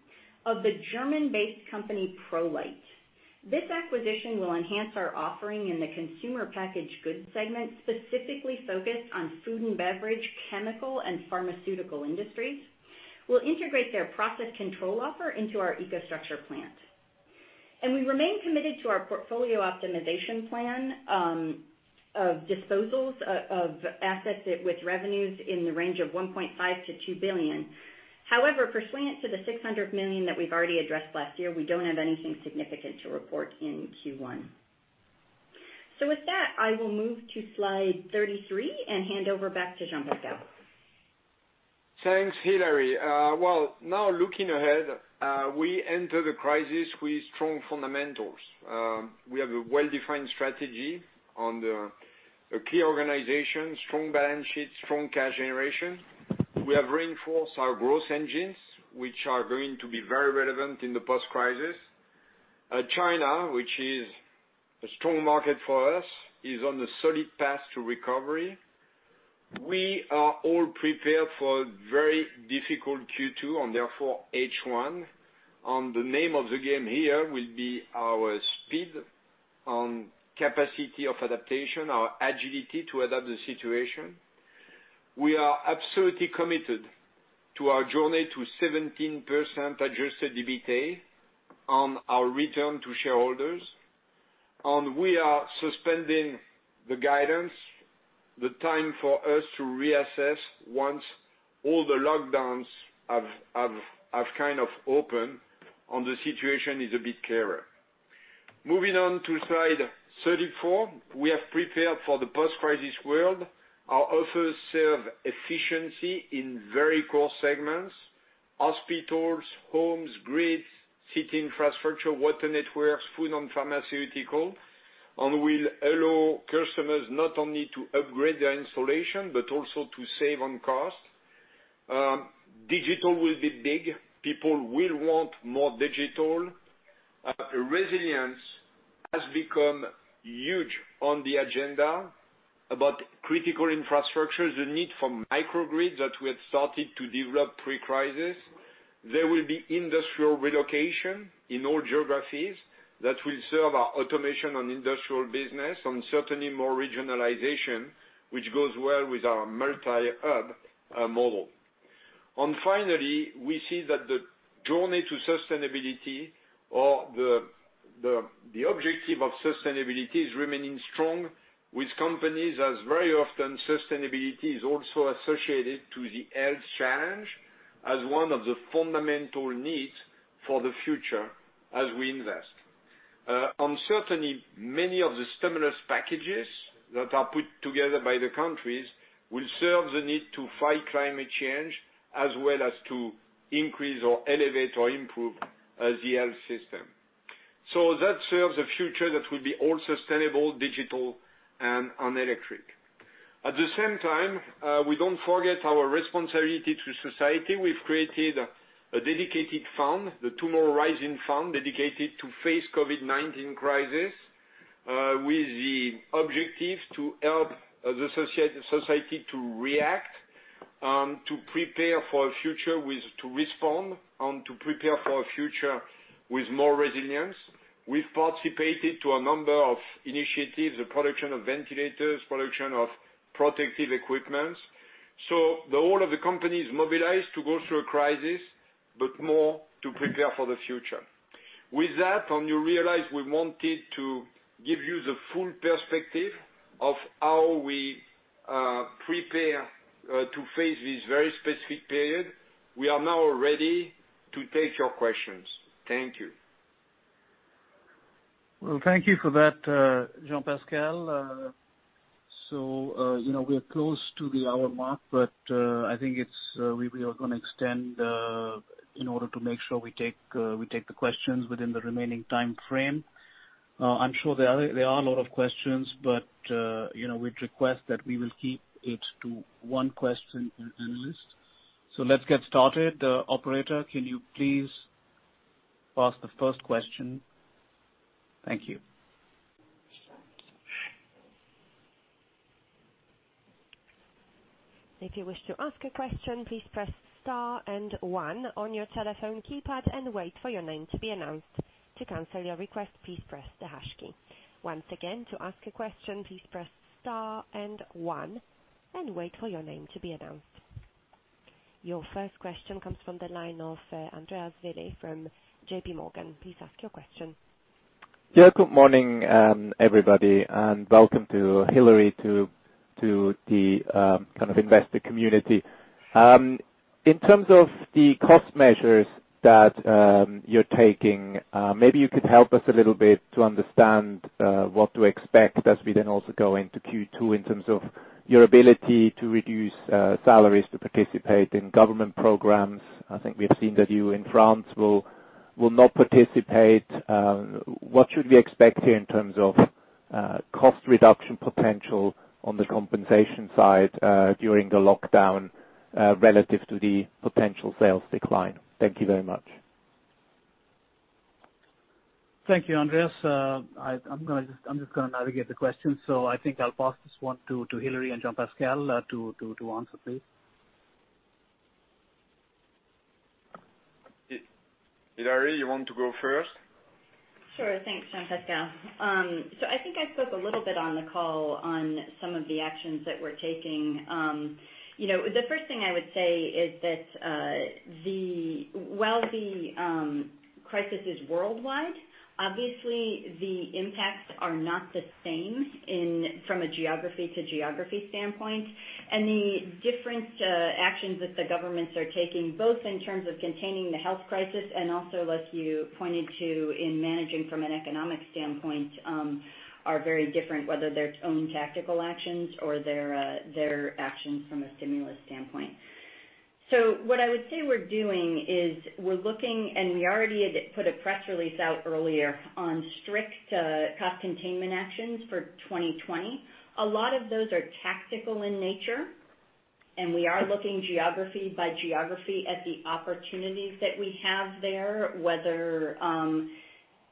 of the German-based company, ProLeiT. This acquisition will enhance our offering in the consumer packaged goods segment, specifically focused on food and beverage, chemical, and pharmaceutical industries. We'll integrate their process control offer into our EcoStruxure Plant. We remain committed to our portfolio optimization plan of disposals of assets with revenues in the range of 1.5 billion-2 billion. However, pursuant to the 600 million that we've already addressed last year, we don't have anything significant to report in Q1. With that, I will move to slide 33 and hand over back to Jean-Pascal. Thanks, Hilary. Well, now looking ahead, we enter the crisis with strong fundamentals. We have a well-defined strategy on the key organization, strong balance sheet, strong cash generation. We have reinforced our growth engines, which are going to be very relevant in the post-crisis. China, which is a strong market for us, is on a solid path to recovery. We are all prepared for a very difficult Q2, and therefore H1. The name of the game here will be our speed and capacity of adaptation, our agility to adapt the situation. We are absolutely committed to our journey to 17% adjusted EBITDA on our return to shareholders. We are suspending the guidance, the time for us to reassess once all the lockdowns have kind of opened and the situation is a bit clearer. Moving on to slide 34. We have prepared for the post-crisis world. Our offers serve efficiency in very core segments, hospitals, homes, grids, city infrastructure, water networks, food and pharmaceutical, and will allow customers not only to upgrade their installation but also to save on cost. Digital will be big. People will want more digital. Resilience has become huge on the agenda about critical infrastructure, the need for microgrids that we had started to develop pre-crisis. There will be industrial relocation in all geographies that will serve our automation and industrial business, and certainly more regionalization, which goes well with our multi-hub model. Finally, we see that the journey to sustainability or the objective of sustainability is remaining strong with companies, as very often, sustainability is also associated to the health challenge as one of the fundamental needs for the future as we invest. Certainly, many of the stimulus packages that are put together by the countries will serve the need to fight climate change as well as to increase or elevate or improve the health system. That serves a future that will be all sustainable, digital, and electric. At the same time, we don't forget our responsibility to society. We've created a dedicated fund, the Tomorrow Rising Fund, dedicated to face COVID-19 crisis, with the objective to help the society to respond and to prepare for a future with more resilience. We've participated to a number of initiatives, the production of ventilators, production of protective equipments. The whole of the company is mobilized to go through a crisis, but more to prepare for the future. With that, you realize we wanted to give you the full perspective of how we prepare to face this very specific period. We are now ready to take your questions. Thank you. Thank you for that, Jean-Pascal. We are close to the hour mark, I think we are going to extend, in order to make sure we take the questions within the remaining time frame. I'm sure there are a lot of questions, we'd request that we will keep it to one question per analyst. Let's get started. Operator, can you please ask the first question? Thank you. If you wish to ask a question, please press star and one on your telephone keypad and wait for your name to be announced. To cancel your request, please press the hash key. Once again, to ask a question, please press star and one and wait for your name to be announced. Your first question comes from the line of Andreas Willi from JPMorgan. Please ask your question. Welcome to Hilary to the investor community. In terms of the cost measures that you're taking, maybe you could help us a little bit to understand what to expect as we then also go into Q2 in terms of your ability to reduce salaries to participate in government programs. I think we have seen that you, in France, will not participate. What should we expect here in terms of cost reduction potential on the compensation side, during the lockdown, relative to the potential sales decline? Thank you very much. Thank you, Andreas. I'm just going to navigate the question. I think I'll pass this one to Hilary and Jean-Pascal to answer, please. Hilary, you want to go first? Sure. Thanks, Jean-Pascal. I think I spoke a little bit on the call on some of the actions that we're taking. The first thing I would say is that while the crisis is worldwide, obviously the impacts are not the same from a geography to geography standpoint, and the different actions that the governments are taking, both in terms of containing the health crisis and also, as you pointed to, in managing from an economic standpoint, are very different, whether their own tactical actions or their actions from a stimulus standpoint. What I would say we're doing is we're looking, and we already had put a press release out earlier on strict, cost containment actions for 2020. A lot of those are tactical in nature. We are looking geography by geography at the opportunities that we have there, whether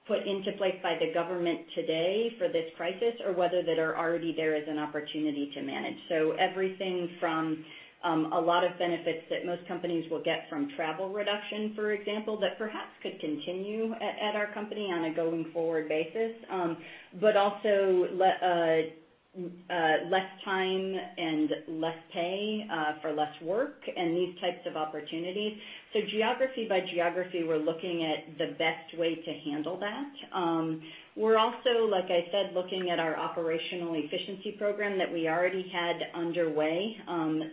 put into place by the government today for this crisis or whether that are already there as an opportunity to manage. Everything from a lot of benefits that most companies will get from travel reduction, for example, that perhaps could continue at our company on a going-forward basis. Also less time and less pay, for less work and these types of opportunities. Geography by geography, we're looking at the best way to handle that. We're also, like I said, looking at our operational efficiency program that we already had underway,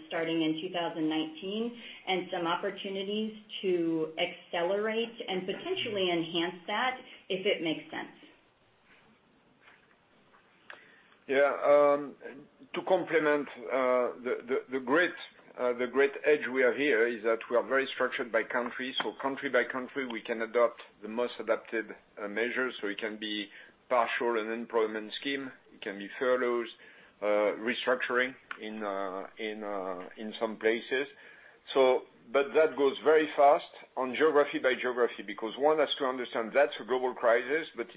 starting in 2019, and some opportunities to accelerate and potentially enhance that if it makes sense. Yeah. To complement, the great edge we have here is that we are very structured by country. Country by country, we can adopt the most adapted measures. It can be partial and employment scheme, it can be furloughs, restructuring in some places. That goes very fast on geography by geography, because one has to understand that's a global crisis, but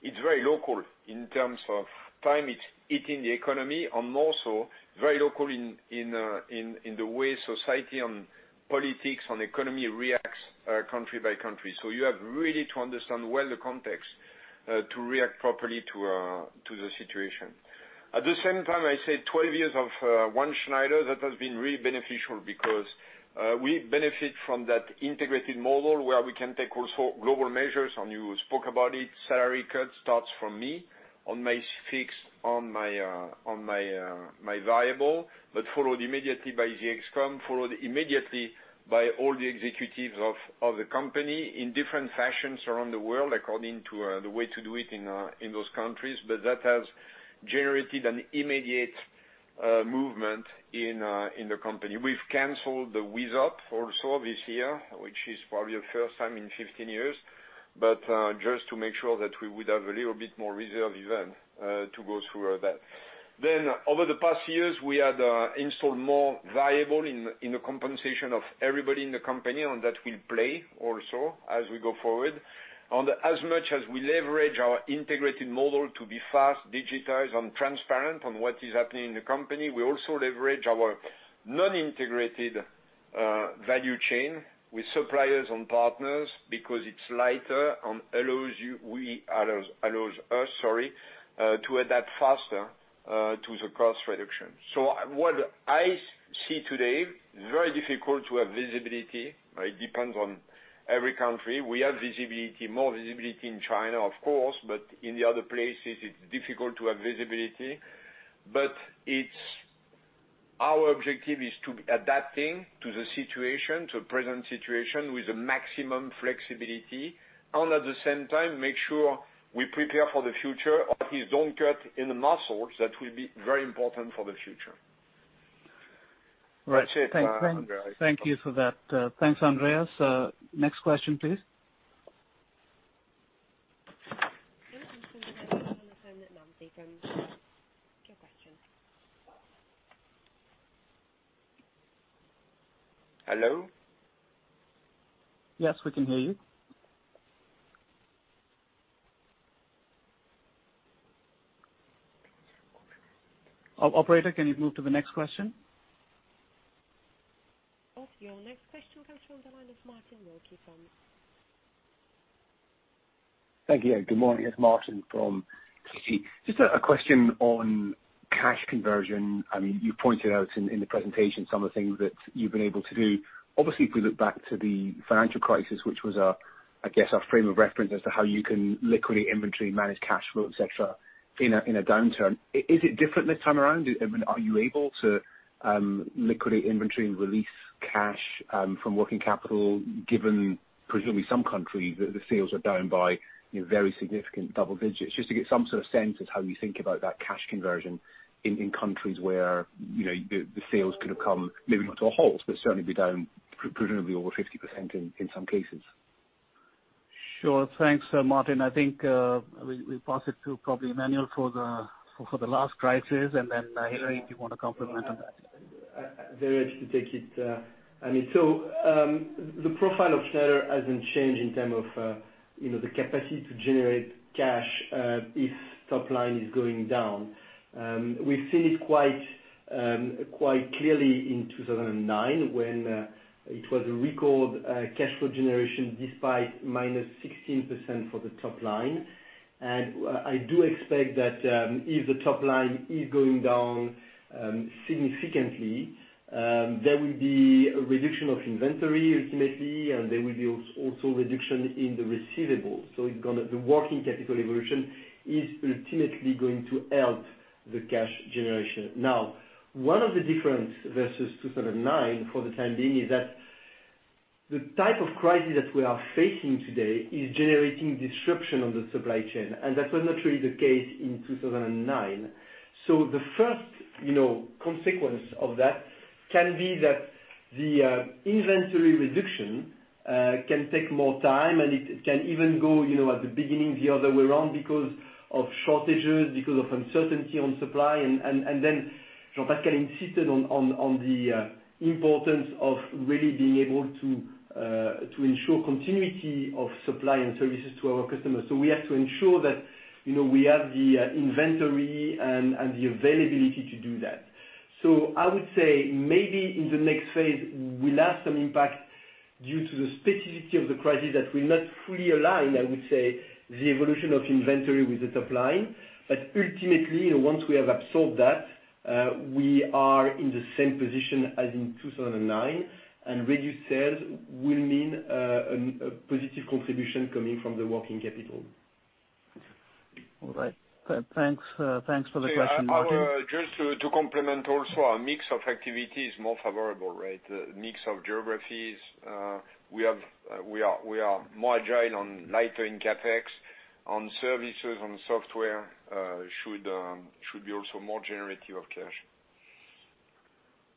it's very local in terms of time, it's hitting the economy and also very local in the way society on politics, on economy reacts country by country. You have really to understand well the context, to react properly to the situation. At the same time, I say 12 years of One Schneider, that has been really beneficial because we benefit from that integrated model where we can take also global measures, and you spoke about it. Salary cut starts from me on my fixed, on my variable, followed immediately by the ExCom, followed immediately by all the executives of the company in different fashions around the world according to the way to do it in those countries. That has generated an immediate movement in the company. We've canceled the WESOP also this year, which is probably the first time in 15 years. Just to make sure that we would have a little bit more reserve even to go through that. Over the past years, we had installed more variable in the compensation of everybody in the company, and that will play also as we go forward. As much as we leverage our integrated model to be fast, digitized, and transparent on what is happening in the company, we also leverage our non-integrated value chain with suppliers and partners because it's lighter and allows us to adapt faster to the cost reduction. What I see today, very difficult to have visibility. It depends on every country. We have more visibility in China, of course, but in the other places, it's difficult to have visibility. Our objective is to be adapting to the situation, to the present situation, with the maximum flexibility, and at the same time, make sure we prepare for the future. Please don't cut in the muscles that will be very important for the future. Right. That's it, Andreas. Thank you for that. Thanks, Andreas. Next question, please. Yes. This is from. [inaudible] Hello? Yes, we can hear you. Operator, can you move to the next question? Of course. Your next question comes from the line of Martin Wilkie from. Thank you. Good morning. It's Martin from Citi. Just a question on cash conversion. You pointed out in the presentation some of the things that you've been able to do. Obviously, if we look back to the financial crisis, which was, I guess, our frame of reference as to how you can liquidate inventory, manage cash flow, et cetera, in a downturn. Is it different this time around? Are you able to liquidate inventory and release cash from working capital, given presumably some countries, the sales are down by very significant double digits. Just to get some sort of sense as to how you think about that cash conversion in countries where the sales could have come, maybe not to a halt, but certainly be down presumably over 50% in some cases. Sure. Thanks, Martin. I think we'll pass it to probably Emmanuel for the last crisis. Then Hilary, if you want to complement on that. Very happy to take it. The profile of Schneider hasn't changed in term of the capacity to generate cash if top line is going down. We've seen it quite clearly in 2009 when it was a record cash flow generation despite -16% for the top line. I do expect that if the top line is going down significantly, there will be a reduction of inventory, ultimately, and there will be also a reduction in the receivables. The working capital evolution is ultimately going to help the cash generation. One of the differences versus 2009, for the time being, is that the type of crisis that we are facing today is generating disruption on the supply chain, and that was not really the case in 2009. The first consequence of that can be that the inventory reduction can take more time, and it can even go at the beginning the other way around because of shortages, because of uncertainty on supply. Jean-Pascal insisted on the importance of really being able to ensure continuity of supply and services to our customers. We have to ensure that we have the inventory and the availability to do that. I would say maybe in the next phase, we'll have some impact due to the specificity of the crisis that will not fully align, I would say, the evolution of inventory with the top line. Ultimately, once we have absorbed that, we are in the same position as in 2009, and reduced sales will mean a positive contribution coming from the working capital. All right. Thanks for the question, Martin. Just to complement also, our mix of activity is more favorable, right. Mix of geographies. We are more agile and lighter in CapEx. On services, on software, should be also more generative of cash.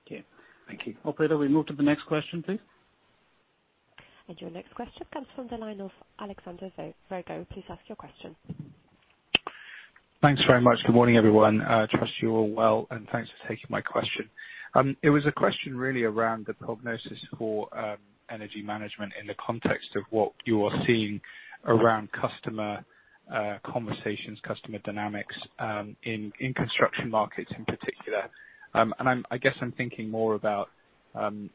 Okay. Thank you. Operator, we move to the next question, please. Your next question comes from the line of Alexander Virgo. Please ask your question. Thanks very much. Good morning, everyone. I trust you're all well, and thanks for taking my question. It was a question really around the prognosis for Energy Management in the context of what you are seeing around customer conversations, customer dynamics, in construction markets in particular. I guess I'm thinking more about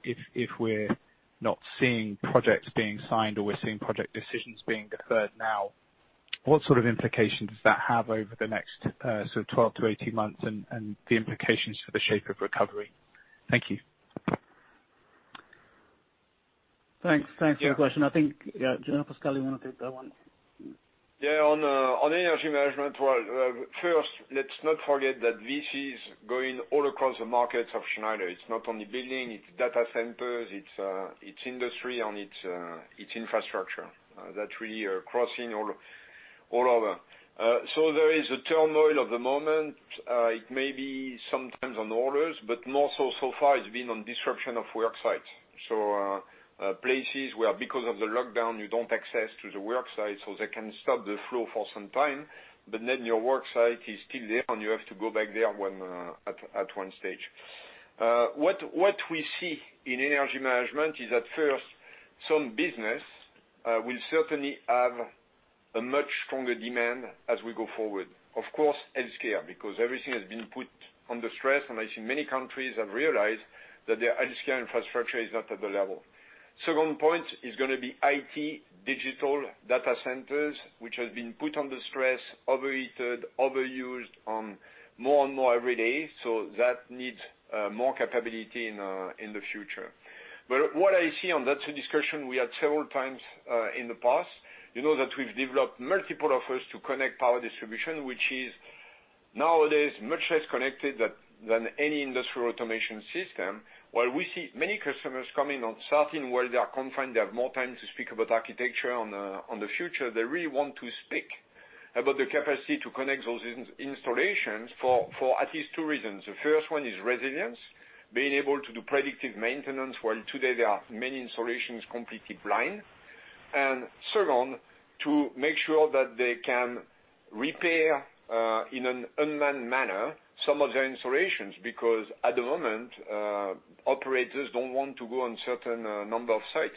if we're not seeing projects being signed or we're seeing project decisions being deferred now, what sort of implication does that have over the next 12-18 months and the implications for the shape of recovery? Thank you. Thanks for the question. I think, Jean-Pascal, you want to take that one? Yeah. On Energy Management, first, let's not forget that this is going all across the markets of Schneider. It's not only building, it's Data Centers, it's industry, and it's infrastructure. That really are crossing all or other. There is a turmoil of the moment. It may be sometimes on orders, but more so far it's been on disruption of work sites. Places where, because of the lockdown, you don't access to the work site, so they can stop the flow for some time. Your work site is still there, and you have to go back there at 1 stage. What we see in Energy Management is at first, some business will certainly have a much stronger demand as we go forward. Healthcare, because everything has been put under stress, and I think many countries have realized that their healthcare infrastructure is not at the level. Second point is going to be IT, digital Data Centers, which has been put under stress, overheated, overused more and more every day. That needs more capability in the future. What I see, and that's a discussion we had several times in the past, you know that we've developed multiple offers to connect power distribution, which is nowadays much less connected than any Industrial Automation system. We see many customers coming on certain where they are confined, they have more time to speak about architecture on the future. They really want to speak about the capacity to connect those installations for at least two reasons. The first one is resilience, being able to do predictive maintenance, while today there are many installations completely blind. Second, to make sure that they can repair, in an unmanned manner, some of their installations, because at the moment, operators don't want to go on certain number of sites.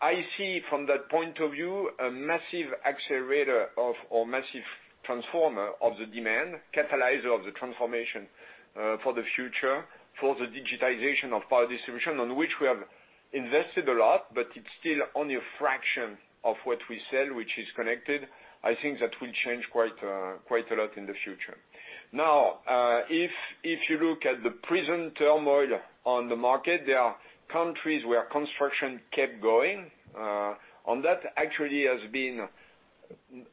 I see from that point of view, a massive accelerator of, or massive transformer of the demand, catalyzer of the transformation for the future, for the digitization of power distribution on which we have invested a lot, but it's still only a fraction of what we sell, which is connected. I think that will change quite a lot in the future. If you look at the present turmoil on the market, there are countries where construction kept going. On that, actually has been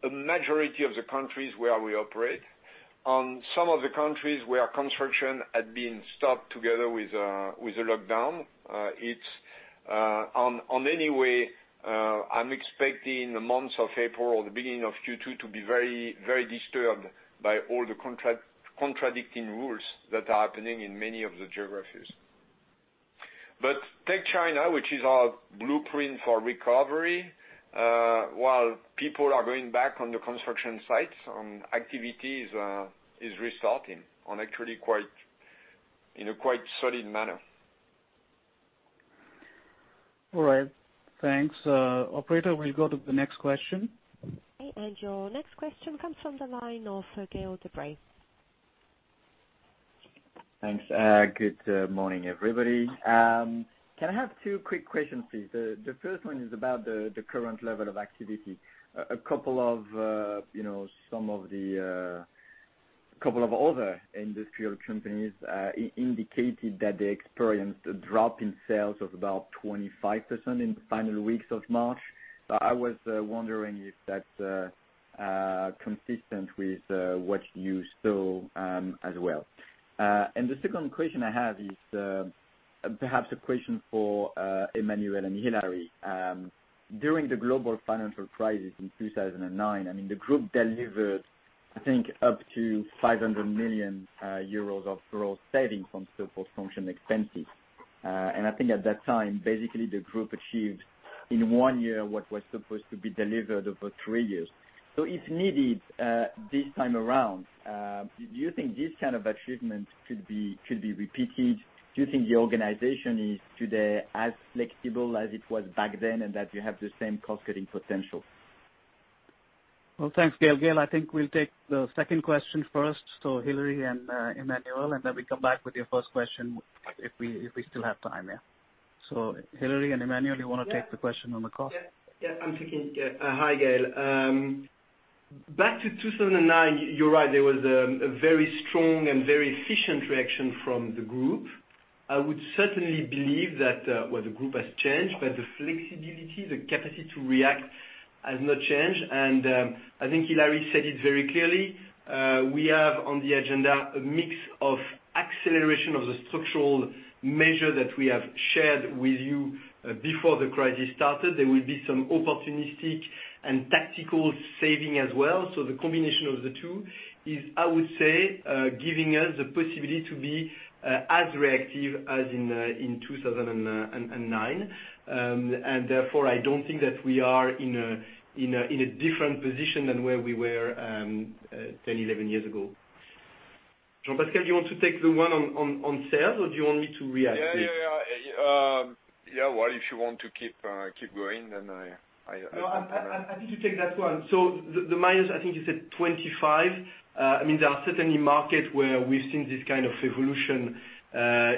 a majority of the countries where we operate. Some of the countries where construction had been stopped together with the lockdown. Anyway, I'm expecting the months of April or the beginning of Q2 to be very disturbed by all the contradicting rules that are happening in many of the geographies. Take China, which is our blueprint for recovery. People are going back on the construction sites, activity is restarting in a quite solid manner. All right. Thanks. Operator, we'll go to the next question. Okay. Your next question comes from the line of Gaël de-Bray. Thanks. Good morning, everybody. Can I have two quick questions, please? The first one is about the current level of activity. A couple of other industrial companies indicated that they experienced a drop in sales of about 25% in the final weeks of March. I was wondering if that's consistent with what you saw as well. The second question I have is perhaps a question for Emmanuel and Hilary. During the global financial crisis in 2009, the group delivered, I think up to 500 million euros of raw savings on support function expenses. I think at that time, basically, the group achieved in one year what was supposed to be delivered over 3 years. If needed, this time around, do you think this kind of achievement could be repeated? Do you think the organization is today as flexible as it was back then, and that you have the same cost-cutting potential? Thanks, Gaël. I think we'll take the second question first. Hilary and Emmanuel, and then we come back with your first question if we still have time, yeah. Hilary and Emmanuel, you want to take the question on the call? Yeah. I'm speaking. Hi, Gaël. Back to 2009, you're right, there was a very strong and very efficient reaction from the group. I would certainly believe that, well, the group has changed, but the flexibility, the capacity to react has not changed. I think Hilary said it very clearly. We have on the agenda a mix of acceleration of the structural measure that we have shared with you before the crisis started. There will be some opportunistic and tactical saving as well. The combination of the two is, I would say, giving us the possibility to be as reactive as in 2009. Therefore, I don't think that we are in a different position than where we were 10, 11 years ago. Jean-Pascal, do you want to take the one on sales, or do you want me to react please? Yeah. Well, if you want to keep going. No, I'm happy to take that one. The minus, I think you said 25. There are certainly markets where we've seen this kind of evolution,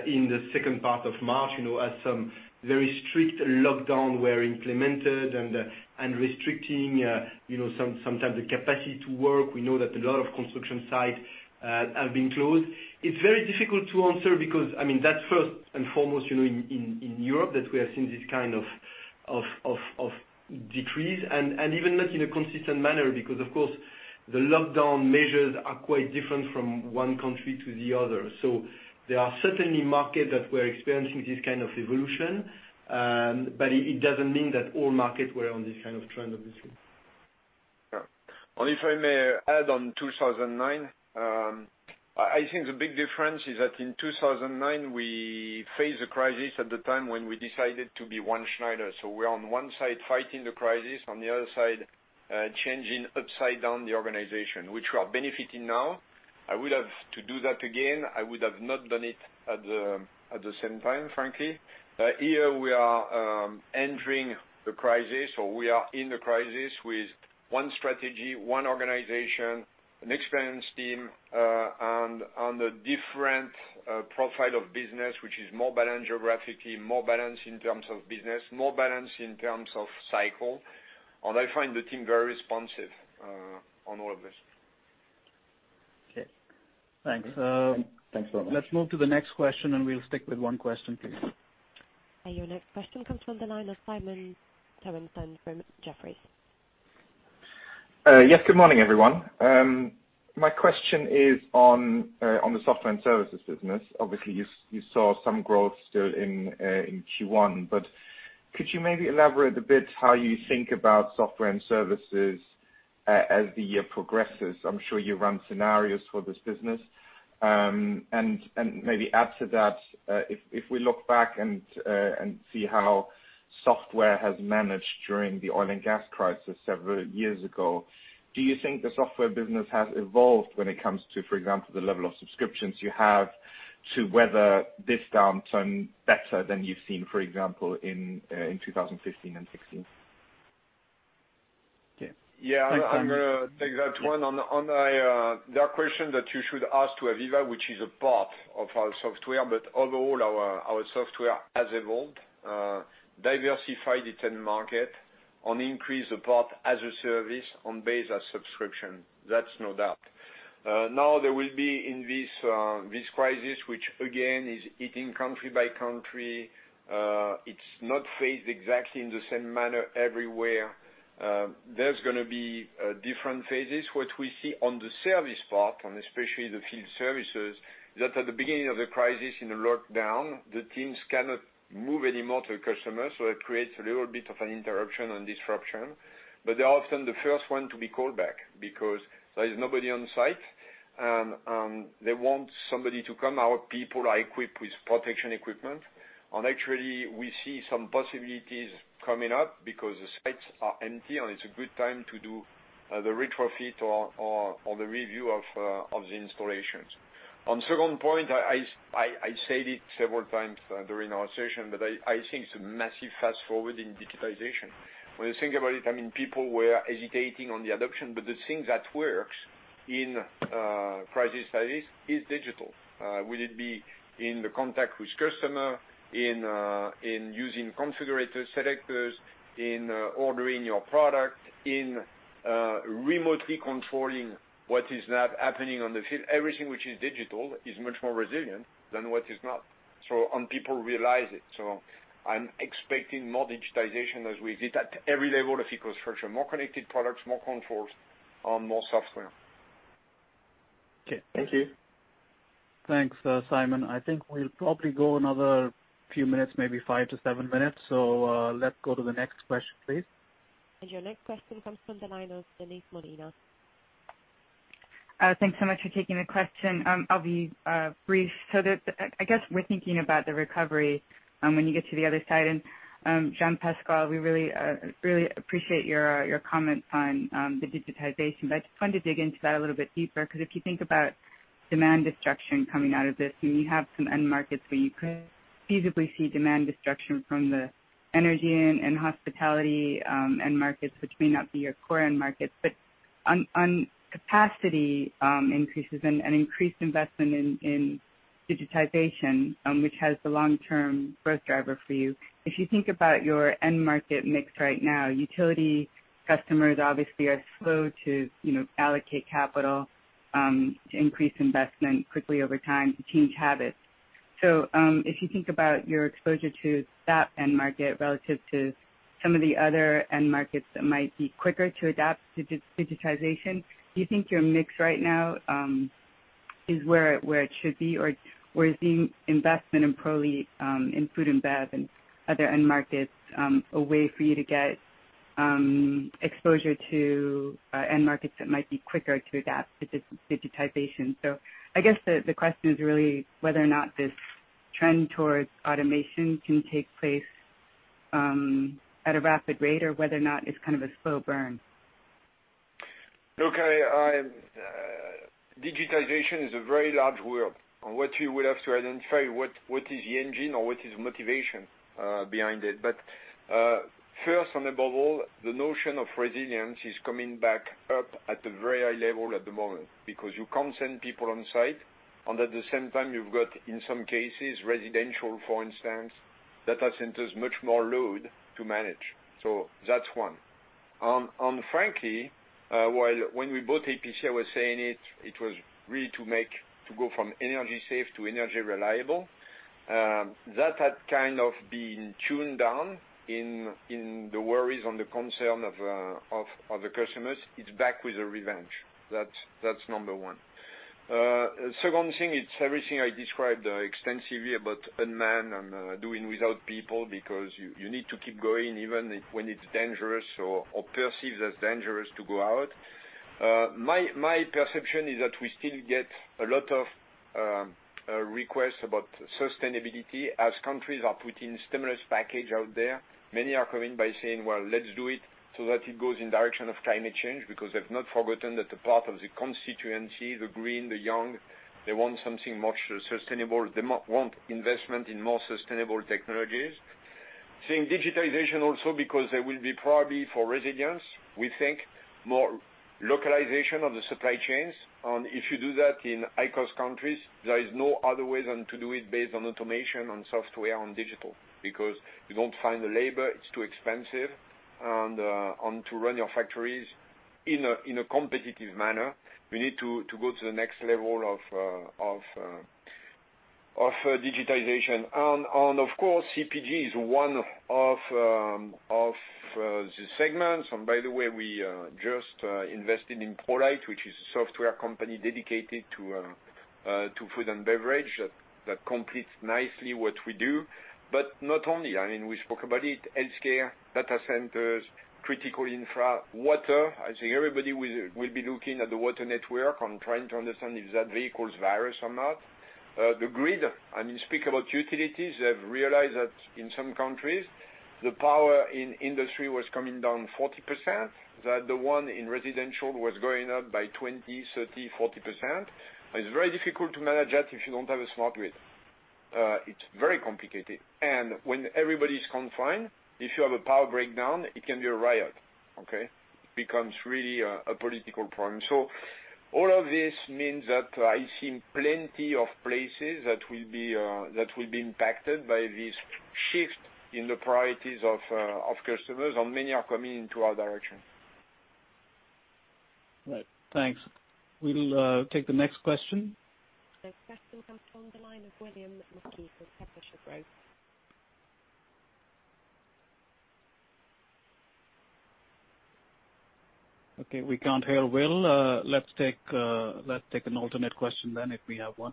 in the second part of March. As some very strict lockdown were implemented and restricting sometimes the capacity to work. We know that a lot of construction sites have been closed. It's very difficult to answer because that's first and foremost in Europe that we have seen this kind of decrease and even not in a consistent manner because, of course, the lockdown measures are quite different from one country to the other. There are certainly markets that we're experiencing this kind of evolution, but it doesn't mean that all markets were on this kind of trend, obviously. Yeah. If I may add on 2009, I think the big difference is that in 2009, we faced a crisis at the time when we decided to be One Schneider. We're on one side fighting the crisis, on the other side, changing upside down the organization, which we are benefiting now. I would have to do that again. I would have not done it at the same time, frankly. Here we are entering the crisis, or we are in the crisis with one strategy, one organization, an experienced team, and on the different profile of business, which is more balanced geographically, more balanced in terms of business, more balanced in terms of cycle. I find the team very responsive on all of this. Okay. Thanks. Thanks very much. Let's move to the next question, and we'll stick with one question please. Your next question comes from the line of Simon Toennessen from Jefferies. Yes, good morning, everyone. My question is on the software and services business. Obviously, you saw some growth still in Q1. Could you maybe elaborate a bit how you think about software and services, as the year progresses? I'm sure you run scenarios for this business. Maybe add to that, if we look back and see how software has managed during the oil and gas crisis several years ago, do you think the software business has evolved when it comes to, for example, the level of subscriptions you have to weather this downturn better than you've seen, for example, in 2015 and 2016? Yeah. I'm going to take that one. On the other question that you should ask to AVEVA, which is a part of our software, but overall our software has evolved, diversified it in market, and increased the part as a service on base as subscription. That's no doubt. There will be in this crisis, which again is hitting country by country. It's not faced exactly in the same manner everywhere. There's going to be different phases. What we see on the service part, and especially the field services, is that at the beginning of the crisis in the lockdown, the teams cannot move any more to the customer, so it creates a little bit of an interruption and disruption. They're often the first one to be called back because there is nobody on site, and they want somebody to come. Our people are equipped with protection equipment. Actually, we see some possibilities coming up because the sites are empty, and it's a good time to do the retrofit or the review of the installations. On second point, I said it several times during our session, but I think it's a massive fast-forward in digitization. When you think about it, people were hesitating on the adoption, but the thing that works in crisis like this is digital. Will it be in the contact with customer, in using configurators, selectors, in ordering your product, in remotely controlling what is not happening on the field? Everything which is digital is much more resilient than what is not. People realize it. I'm expecting more digitization as we did at every level of infrastructure, more connected products, more controls and more software. Okay. Thank you. Thanks, Simon. I think we'll probably go another few minutes, maybe five to seven minutes. Let's go to the next question, please. Your next question comes from the line of Denise Molina. Thanks so much for taking the question. I'll be brief. I guess we're thinking about the recovery, when you get to the other side and, Jean-Pascal, we really appreciate your comments on the digitization. I just wanted to dig into that a little bit deeper because if you think about demand destruction coming out of this, you have some end markets where you could feasibly see demand destruction from the energy and hospitality end markets, which may not be your core end markets. On capacity increases and increased investment in digitization, which has the long-term growth driver for you. If you think about your end market mix right now, utility customers obviously are slow to allocate capital, to increase investment quickly over time to change habits. If you think about your exposure to that end market relative to some of the other end markets that might be quicker to adapt to digitization, do you think your mix right now is where it should be? Is the investment in food and bev and other end markets a way for you to get exposure to end markets that might be quicker to adapt to digitization? I guess the question is really whether or not this trend towards automation can take place at a rapid rate or whether or not it's kind of a slow burn. Digitization is a very large world on what you will have to identify what is motivation behind it. First and above all, the notion of resilience is coming back up at a very high level at the moment because you can't send people on site, and at the same time you've got, in some cases, residential, for instance, Data Centers much more load to manage. That's one. Frankly, when we bought APC, I was saying it was really to go from energy safe to energy reliable. That had kind of been tuned down in the worries and the concern of the customers. It's back with a revenge. That's number one. Second thing, it's everything I described extensively about unmanned and doing without people because you need to keep going even when it's dangerous or perceived as dangerous to go out. My perception is that we still get a lot of requests about sustainability as countries are putting stimulus package out there. Many are coming by saying, "Well, let's do it so that it goes in direction of climate change," because they've not forgotten that the part of the constituency, the green, the young, they want something much sustainable. They want investment in more sustainable technologies. Seeing digitalization also because there will be probably for resilience, we think more localization of the supply chains. If you do that in high-cost countries, there is no other way than to do it based on automation, on software, on digital, because you don't find the labor, it's too expensive. To run your factories in a competitive manner, we need to go to the next level of digitization. Of course, CPG is one of the segments. By the way, we just invested in ProLeiT, which is a software company dedicated to food and beverage, that completes nicely what we do. Not only, we spoke about it, healthcare, Data Centers, critical infra, water. I think everybody will be looking at the water network and trying to understand if that vehicles virus or not. The grid. Speak about utilities. They have realized that in some countries, the power in industry was coming down 40%, that the one in residential was going up by 20%, 30%, 40%. It's very difficult to manage that if you don't have a smart grid. It's very complicated. When everybody's confined, if you have a power breakdown, it can be a riot, okay? It becomes really a political problem. All of this means that I see plenty of places that will be impacted by this shift in the priorities of customers, and many are coming into our direction. Right. Thanks. We'll take the next question. The next question comes from the line of William Mackie from Kepler Cheuvreux. We can't hear Will. Let's take an alternate question then, if we have one.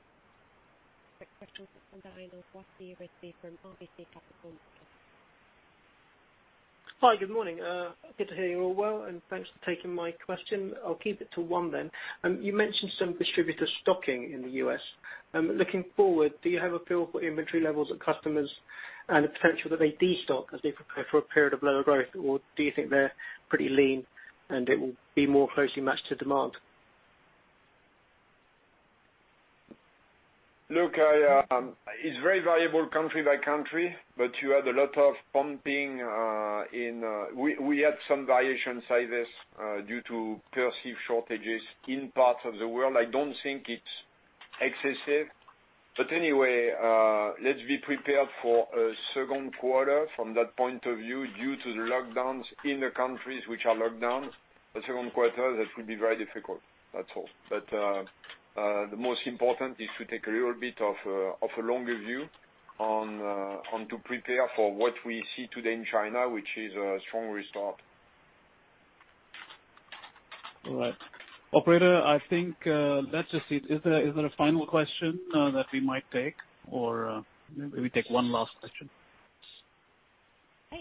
Next question comes from the line of Wafic Rizk from RBC Capital Markets. Hi, good morning. Good to hear you're well, and thanks for taking my question. I'll keep it to one then. You mentioned some distributor stocking in the U.S. Looking forward, do you have a feel for inventory levels of customers and the potential that they destock as they prepare for a period of lower growth? Or do you think they're pretty lean, and it will be more closely matched to demand? Look, it's very variable country by country, but you had a lot of pumping in. We had some variation sizes due to perceived shortages in parts of the world. I don't think it's excessive, but anyway, let's be prepared for a Q2 from that point of view, due to the lockdowns in the countries which are locked down. The Q2, that will be very difficult. That's all. The most important is to take a little bit of a longer view and to prepare for what we see today in China, which is a strong restart. All right. Operator, I think that's it. Is there a final question that we might take? Maybe we take one last question. Yes.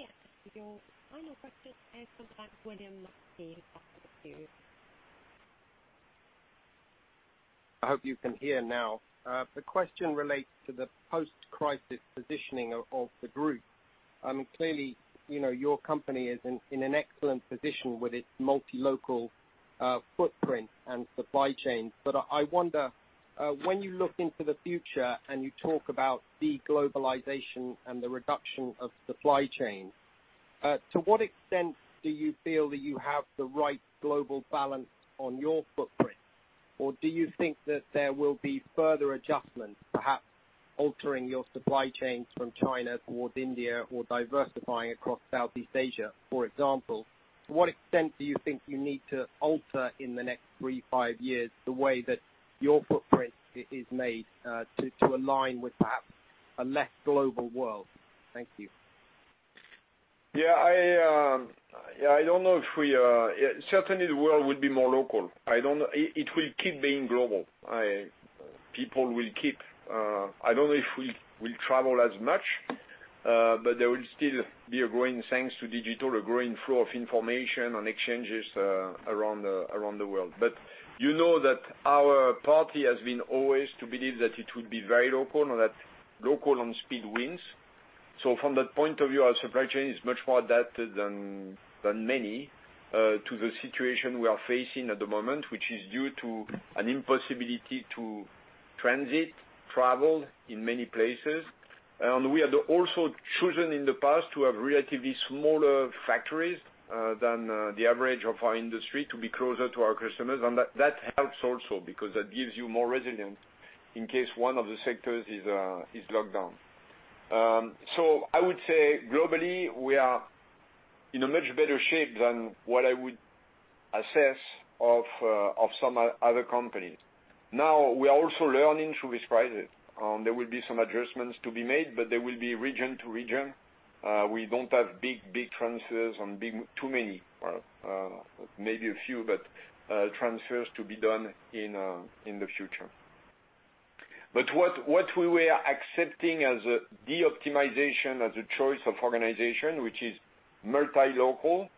Your final question comes from William Mackie of Kepler Cheuvreux. I hope you can hear now. The question relates to the post-crisis positioning of the group. Clearly, your company is in an excellent position with its multi-local footprint and supply chain. I wonder, when you look into the future and you talk about de-globalization and the reduction of supply chain, to what extent do you feel that you have the right global balance on your footprint? Do you think that there will be further adjustments, perhaps altering your supply chains from China towards India or diversifying across Southeast Asia, for example? To what extent do you think you need to alter in the next three, five years, the way that your footprint is made, to align with perhaps a less global world? Thank you. Certainly, the world would be more local. It will keep being global. I don't know if we'll travel as much, there will still be a growing thanks to digital, a growing flow of information on exchanges around the world. You know that our policy has been always to believe that it would be very local and that local on speed wins. From that point of view, our supply chain is much more adapted than many to the situation we are facing at the moment, which is due to an impossibility to transit, travel in many places. We had also chosen in the past to have relatively smaller factories than the average of our industry to be closer to our customers. That helps also because that gives you more resilience in case one of the sectors is locked down. I would say globally, we are in a much better shape than what I would assess of some other companies. We are also learning through this crisis. There will be some adjustments to be made, but they will be region to region. We don't have big transfers and too many, maybe a few, but transfers to be done in the future. What we were accepting as a de-optimization, as a choice of organization, which is multi-local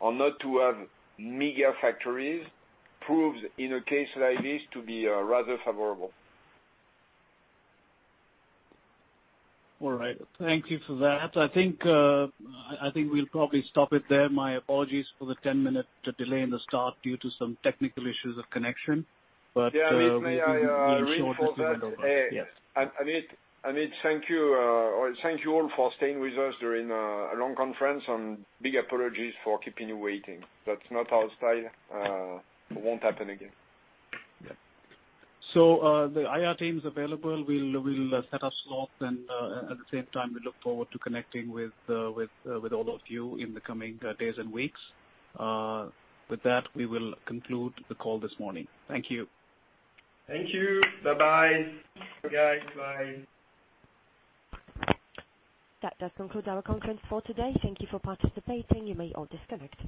or not to have mega factories, proves in a case like this to be rather favorable. All right. Thank you for that. I think we'll probably stop it there. My apologies for the 10-minute delay in the start due to some technical issues of connection. Yeah, may I reinforce that? Yes. Amit, thank you. Thank you all for staying with us during a long conference, and big apologies for keeping you waiting. That's not our style. It won't happen again. Yeah. The IR team's available. We'll set up slots and, at the same time, we look forward to connecting with all of you in the coming days and weeks. With that, we will conclude the call this morning. Thank you. Thank you. Bye-bye. Guys, bye. That does conclude our conference for today. Thank you for participating. You may all disconnect.